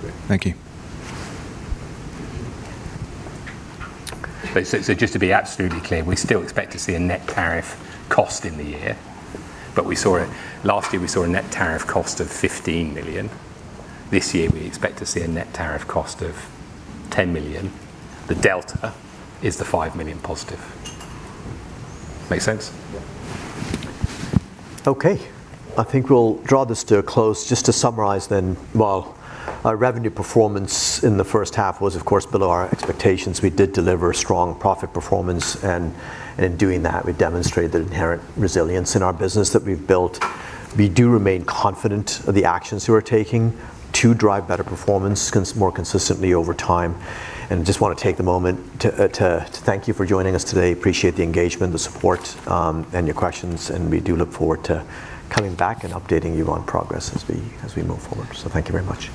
Great. Thank you. Just to be absolutely clear, we still expect to see a net tariff cost in the year, last year we saw a net tariff cost of $15 million. This year, we expect to see a net tariff cost of $10 million. The delta is the $5 million positive. Make sense? Yeah. I think we'll draw this to a close. Just to summarize then, while our revenue performance in the first half was of course below our expectations, we did deliver a strong profit performance, and in doing that, we demonstrated the inherent resilience in our business that we've built. We do remain confident of the actions we're taking to drive better performance more consistently over time. Just want to take the moment to thank you for joining us today. Appreciate the engagement, the support, and your questions, and we do look forward to coming back and updating you on progress as we move forward. Thank you very much.